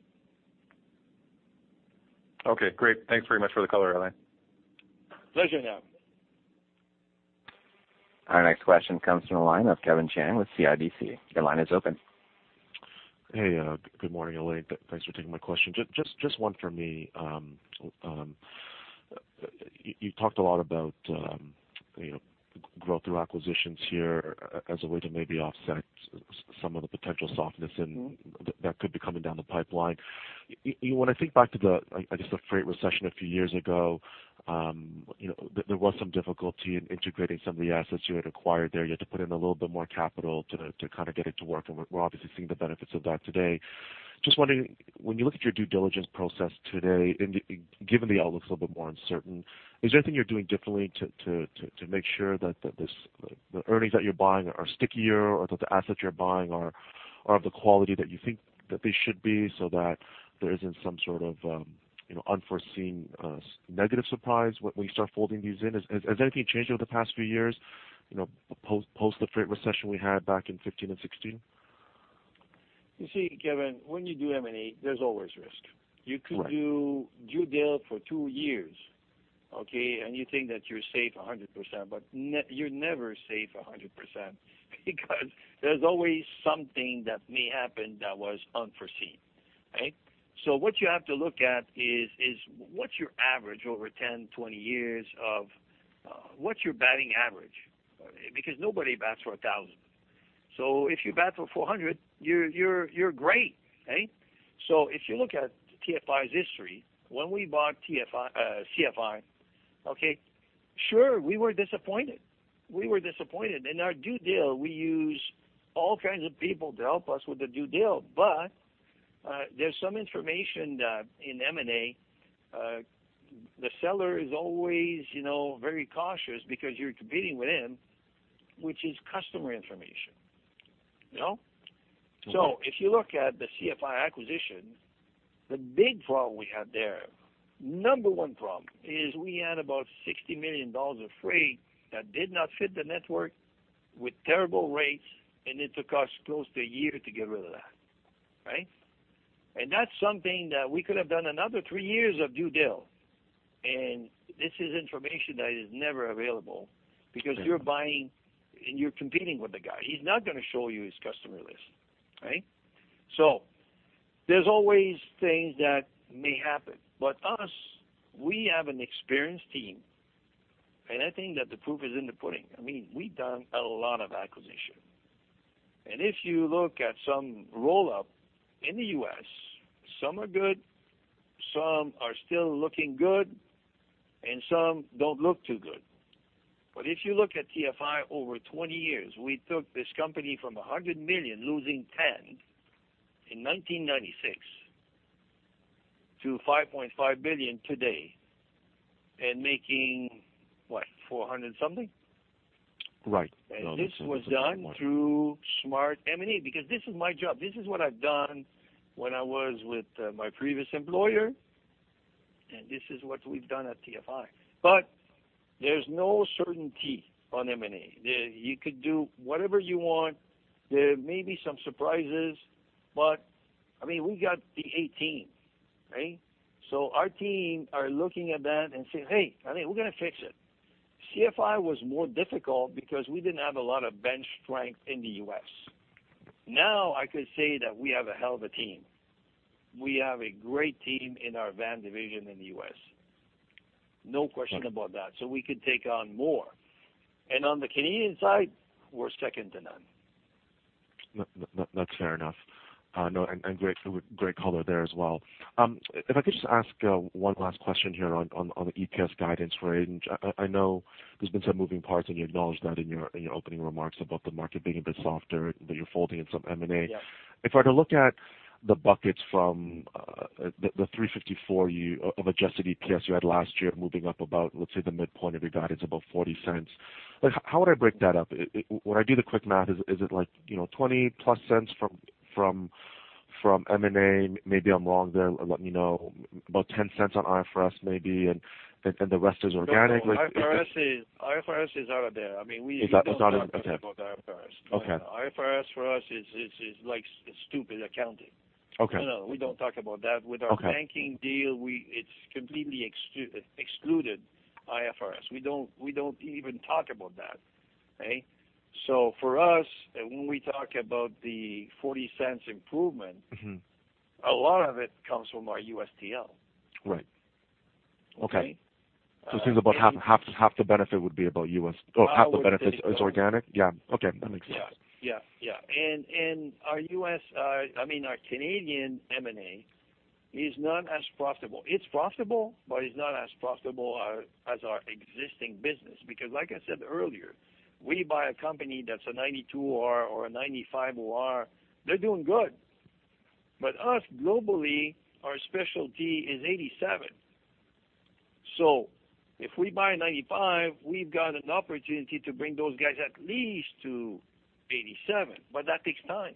Okay, great. Thanks very much for the color, Alain. Pleasure, Nav. Our next question comes from the line of Kevin Chiang with CIBC. Your line is open. Hey, good morning, Alain. Thanks for taking my question. Just one for me. You talked a lot about growth through acquisitions here as a way to maybe offset some of the potential softness that could be coming down the pipeline. When I think back to, I guess, the freight recession a few years ago, there was some difficulty in integrating some of the assets you had acquired there. You had to put in a little bit more capital to get it to work, and we're obviously seeing the benefits of that today. Just wondering, when you look at your due diligence process today, and given the outlook's a little bit more uncertain, is there anything you're doing differently to make sure that the earnings that you're buying are stickier or that the assets you're buying are of the quality that you think that they should be, so that there isn't some sort of unforeseen negative surprise when you start folding these in? Has anything changed over the past few years, post the freight recession we had back in 2015 and 2016? You see, Kevin, when you do M&A, there's always risk. Right. You could do due dil for two years, okay? You think that you're safe 100%, but you're never safe 100% because there's always something that may happen that was unforeseen. Okay? What you have to look at is, what's your average over 10, 20 years of What's your batting average? Nobody bats for 1,000. If you bat for 400, you're great. Okay? If you look at TFI's history, when we bought CFI, okay, sure, we were disappointed. We were disappointed. In our due dil, we use all kinds of people to help us with the due dil. There's some information that in M&A, the seller is always very cautious because you're competing with him, which is customer information. You know? If you look at the CFI acquisition, the big problem we had there, number one problem, is we had about 60 million dollars of freight that did not fit the network, with terrible rates, and it took us close to a year to get rid of that. Right? That's something that we could have done another three years of due dil, This is information that is never available because you're buying and you're competing with the guy. He's not going to show you his customer list. Right? There's always things that may happen. Us, we have an experienced team, and I think that the proof is in the pudding. We've done a lot of acquisition. If you look at some roll-up in the U.S., some are good, some are still looking good, and some don't look too good. If you look at TFI over 20 years, we took this company from 100 million, losing 10 in 1996, to 5.5 billion today, and making what, 400 something? Right. This was done through smart M&A, because this is my job. This is what I've done when I was with my previous employer, and this is what we've done at TFI. There's no certainty on M&A. You could do whatever you want. There may be some surprises, but we got the A team, right? Our team are looking at that and saying, "Hey, Alain, we're going to fix it." CFI was more difficult because we didn't have a lot of bench strength in the U.S. Now I could say that we have a hell of a team. We have a great team in our van division in the U.S., no question about that. We could take on more. On the Canadian side, we're second to none. That's fair enough. Great color there as well. If I could just ask one last question here on the EPS guidance range. I know there's been some moving parts, and you acknowledged that in your opening remarks about the market being a bit softer, that you're folding in some M&A. Yes. If I were to look at the buckets from the 3.54 of adjusted EPS you had last year, moving up about, let's say, the midpoint of your guidance, about 0.40. How would I break that up? When I do the quick math, is it like 0.20+ from M&A? Maybe I'm wrong there, let me know. About 0.10 on IFRS maybe, and the rest is organic? No. IFRS is out of there. It's not as, okay. We don't talk about IFRS. Okay. IFRS for us is like stupid accounting. Okay. No, we don't talk about that. Okay. With our banking deal, it's completely excluded IFRS. We don't even talk about that. Okay. For us, when we talk about the 0.40 improvement. A lot of it comes from our U.S. TL. Right. Okay. Okay? It seems about half the benefit would be about U.S. Half would be- Half the benefit is organic? Yeah. Okay. That makes sense. Yeah. Our Canadian M&A is not as profitable. It's profitable, but it's not as profitable as our existing business. Because like I said earlier, we buy a company that's a 92 OR or a 95 OR, they're doing good. Us, globally, our specialty is 87. If we buy 95, we've got an opportunity to bring those guys at least to 87. That takes time.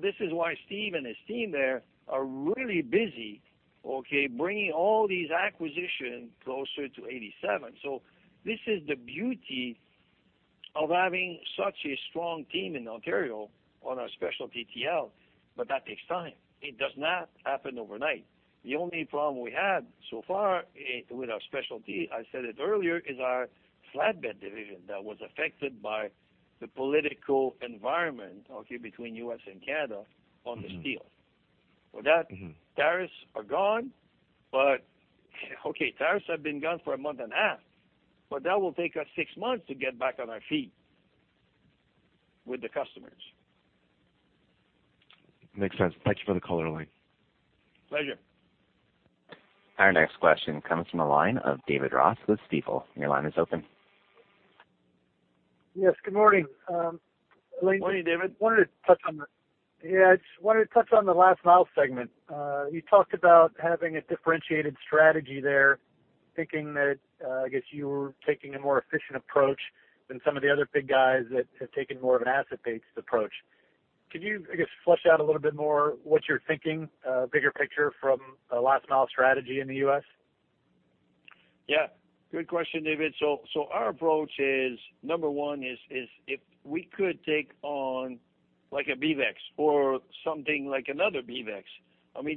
This is why Steve and his team there are really busy, okay, bringing all these acquisitions closer to 87. This is the beauty of having such a strong team in Ontario on our specialty TL, but that takes time. It does not happen overnight. The only problem we had so far with our specialty, I said it earlier, is our flatbed division that was affected by the political environment between U.S. and Canada on the steel. Well, that tariffs are gone, but tariffs have been gone for a month and a half, but that will take us six months to get back on our feet with the customers. Makes sense. Thanks for the color, Alain. Pleasure. Our next question comes from the line of David Ross with Stifel. Your line is open. Yes, good morning. Morning, David. Yeah, I just wanted to touch on the last mile segment. You talked about having a differentiated strategy there, thinking that, I guess you were taking a more efficient approach than some of the other big guys that have taken more of an asset-based approach. Could you, I guess, flesh out a little bit more what you're thinking, bigger picture from a last mile strategy in the U.S.? Good question, David. Our approach is, number one is, if we could take on like a BeavEx or something like another BeavEx.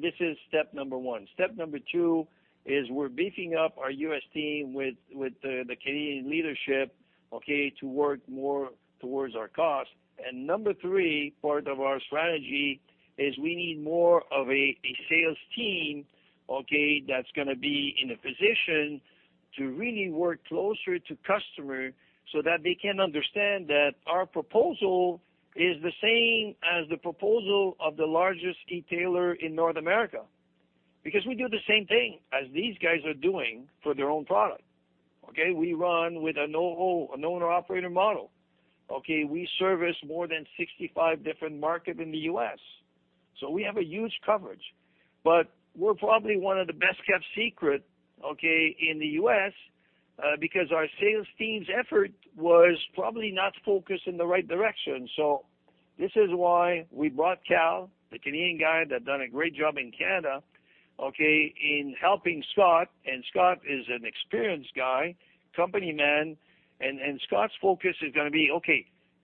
This is step number one. Step number two is we're beefing up our U.S. team with the Canadian leadership to work more towards our cost. Number 3 part of our strategy is we need more of a sales team that's going to be in a position to really work closer to customer so that they can understand that our proposal is the same as the proposal of the largest e-tailer in North America. We do the same thing as these guys are doing for their own product. We run with an owner-operator model. We service more than 65 different market in the U.S., so we have a huge coverage, but we're probably one of the best kept secret in the U.S. because our sales team's effort was probably not focused in the right direction. This is why we brought Kal, the Canadian guy, that done a great job in Canada, in helping Scott, and Scott is an experienced guy, company man, and Scott's focus is going to be,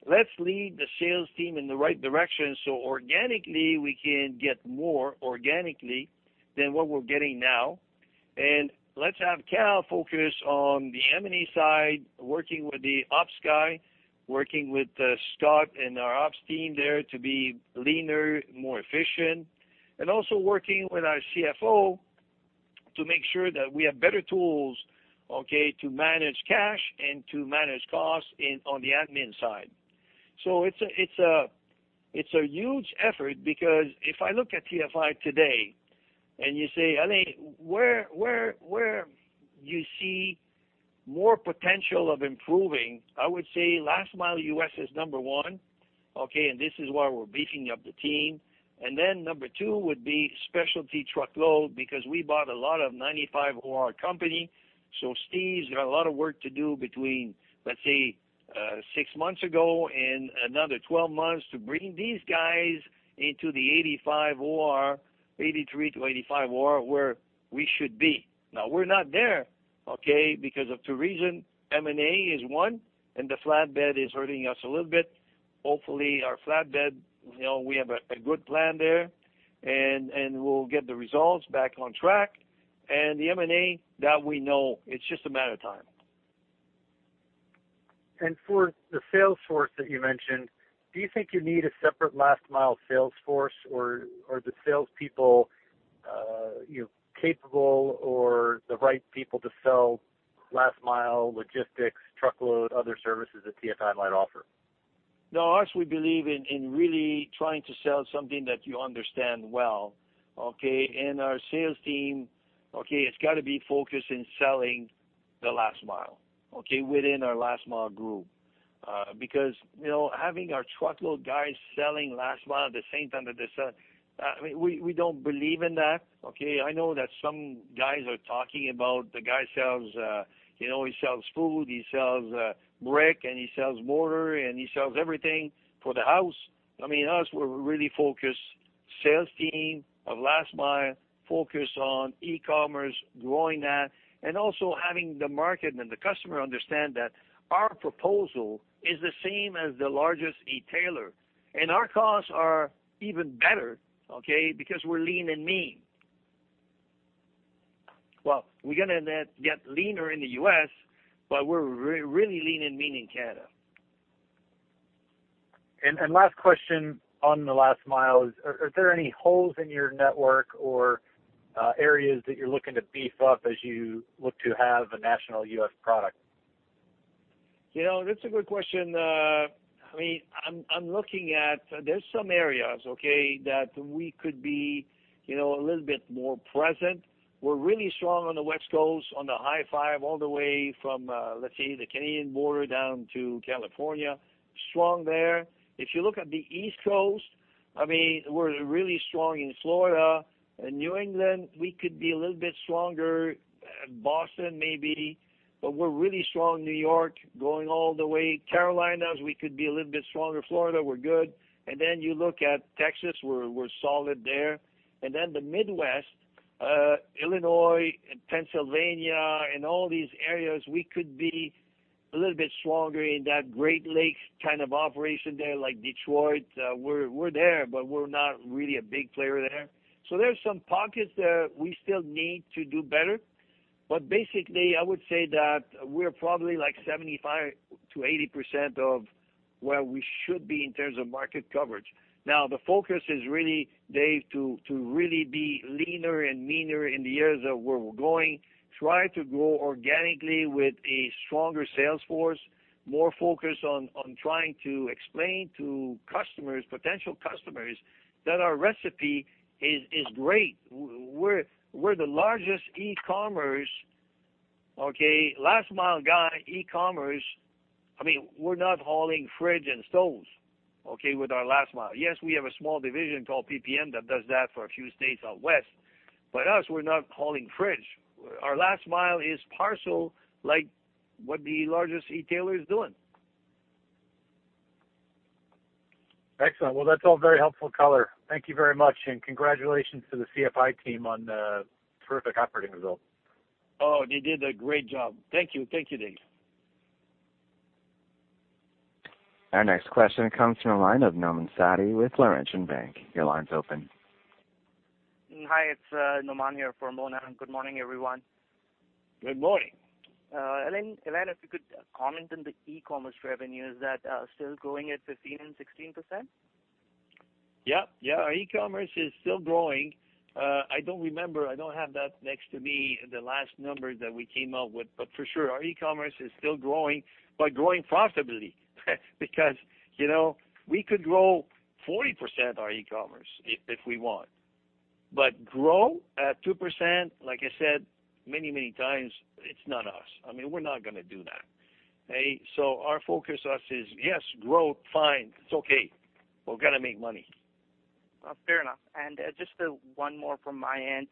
let's lead the sales team in the right direction so organically we can get more organically than what we're getting now. Let's have Kal focus on the M&A side, working with the ops guy, working with Scott and our ops team there to be leaner, more efficient. Also working with our CFO to make sure that we have better tools to manage cash and to manage costs on the admin side. It's a huge effort because if I look at TFI today and you say, Alain, where you see more potential of improving? I would say last mile U.S. is number one. This is why we're beefing up the team. Then number two would be specialty truckload because we bought a lot of 95 OR company. Steve's got a lot of work to do between, let's say, six months ago and another 12 months to bring these guys into the 85 OR, 83-85 OR where we should be. We're not there because of two reason, M&A is one, and the flatbed is hurting us a little bit. Hopefully our flatbed, we have a good plan there and we'll get the results back on track and the M&A that we know it's just a matter of time. For the sales force that you mentioned, do you think you need a separate last mile sales force or are the salespeople capable or the right people to sell last mile logistics, truckload, other services that TFI might offer? No, us we believe in really trying to sell something that you understand well. Our sales team it's got to be focused in selling the last mile within our last mile group. Having our truckload guys selling last mile at the same time that they sell, we don't believe in that. I know that some guys are talking about the guy sells food, he sells brick, and he sells mortar, and he sells everything for the house. Us, we're really focused sales team of last mile, focused on e-commerce, growing that and also having the market and the customer understand that our proposal is the same as the largest e-tailer. Our costs are even better because we're lean and mean. Well, we're going to get leaner in the U.S., we're really lean and mean in Canada. Last question on the last mile. Are there any holes in your network or areas that you're looking to beef up as you look to have a national U.S. product? That's a good question. There's some areas that we could be a little bit more present. We're really strong on the West Coast on the High 5 all the way from, let's say, the Canadian border down to California. Strong there. If you look at the East Coast, we're really strong in Florida and New England, we could be a little bit stronger. Boston maybe, but we're really strong New York going all the way Carolinas, we could be a little bit stronger. Florida, we're good. You look at Texas, we're solid there. The Midwest, Illinois and Pennsylvania and all these areas, we could be a little bit stronger in that Great Lakes kind of operation there, like Detroit. We're there, but we're not really a big player there. There's some pockets there we still need to do better. Basically, I would say that we're probably 75%-80% of where we should be in terms of market coverage. The focus is really, Dave, to really be leaner and meaner in the areas of where we're growing, try to grow organically with a stronger sales force, more focused on trying to explain to potential customers that our recipe is great. We're the largest e-commerce, last mile guy, e-commerce. We're not hauling fridge and stoves with our last mile. Yes, we have a small division called PPM that does that for a few states out west. Us, we're not hauling fridge. Our last mile is parcel like what the largest e-tailer is doing. Excellent. Well, that's all very helpful color. Thank you very much, and congratulations to the TFI team on the terrific operating results. Oh, they did a great job. Thank you, Dave. Our next question comes from the line of Nauman Satti with Laurentian Bank. Your line is open. Hi, it's Nauman here for Mona. Good morning, everyone. Good morning. Alain, if you could comment on the e-commerce revenue, is that still growing at 15% and 16%? Yeah. Our e-commerce is still growing. I don't remember, I don't have that next to me, the last numbers that we came out with, for sure, our e-commerce is still growing, but growing profitably. Because we could grow 40% our e-commerce if we want. Grow at 2%, like I said many times, it's not us. We're not going to do that. Our focus is, yes, growth, fine. It's okay. We're going to make money. Fair enough. Just one more from my end.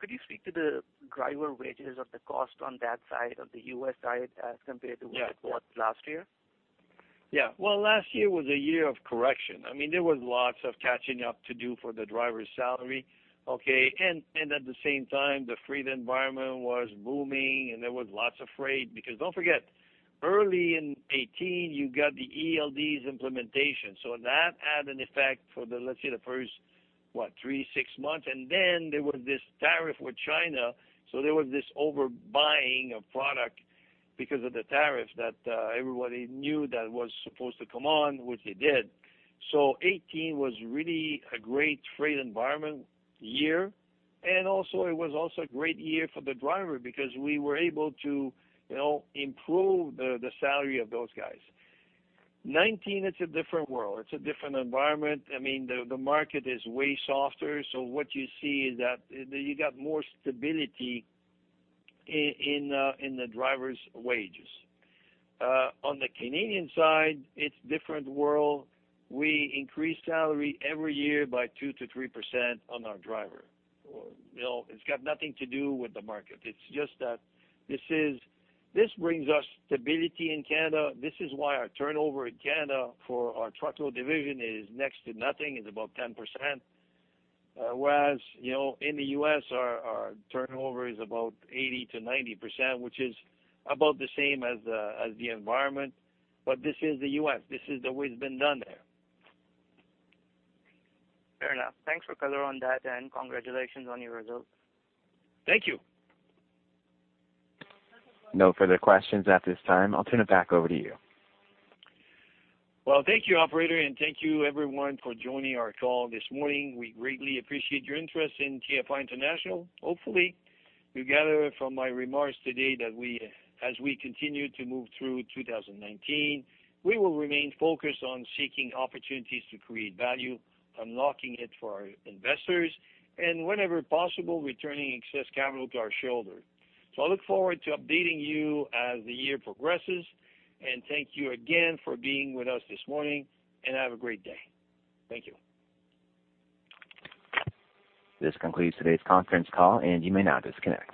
Could you speak to the driver wages of the cost on that side of the U.S. side as compared to what it was last year? Yeah. Well, last year was a year of correction. There was lots of catching up to do for the driver's salary. Okay. At the same time, the freight environment was booming, and there was lots of freight, because don't forget, early in 2018, you got the ELDs implementation. That had an effect for let's say the first, what, three, six months. Then there was this tariff with China. There was this overbuying of product because of the tariff that everybody knew that was supposed to come on, which it did. 2018 was really a great freight environment year, and also it was also a great year for the driver because we were able to improve the salary of those guys. 2019, it's a different world. It's a different environment. The market is way softer. What you see is that you got more stability in the drivers' wages. On the Canadian side, it's different world. We increase salary every year by 2%-3% on our driver. It's got nothing to do with the market. It's just that this brings us stability in Canada. This is why our turnover in Canada for our truckload division is next to nothing. It's about 10%. Whereas, in the U.S., our turnover is about 80%-90%, which is about the same as the environment. This is the U.S. This is the way it's been done there. Fair enough. Thanks for color on that, and congratulations on your results. Thank you. No further questions at this time. I'll turn it back over to you. Well, thank you, operator, and thank you everyone for joining our call this morning. We greatly appreciate your interest in TFI International. Hopefully, you gather from my remarks today that as we continue to move through 2019, we will remain focused on seeking opportunities to create value, unlocking it for our investors, and whenever possible, returning excess capital to our shareholder. I look forward to updating you as the year progresses, and thank you again for being with us this morning, and have a great day. Thank you. This concludes today's conference call, and you may now disconnect.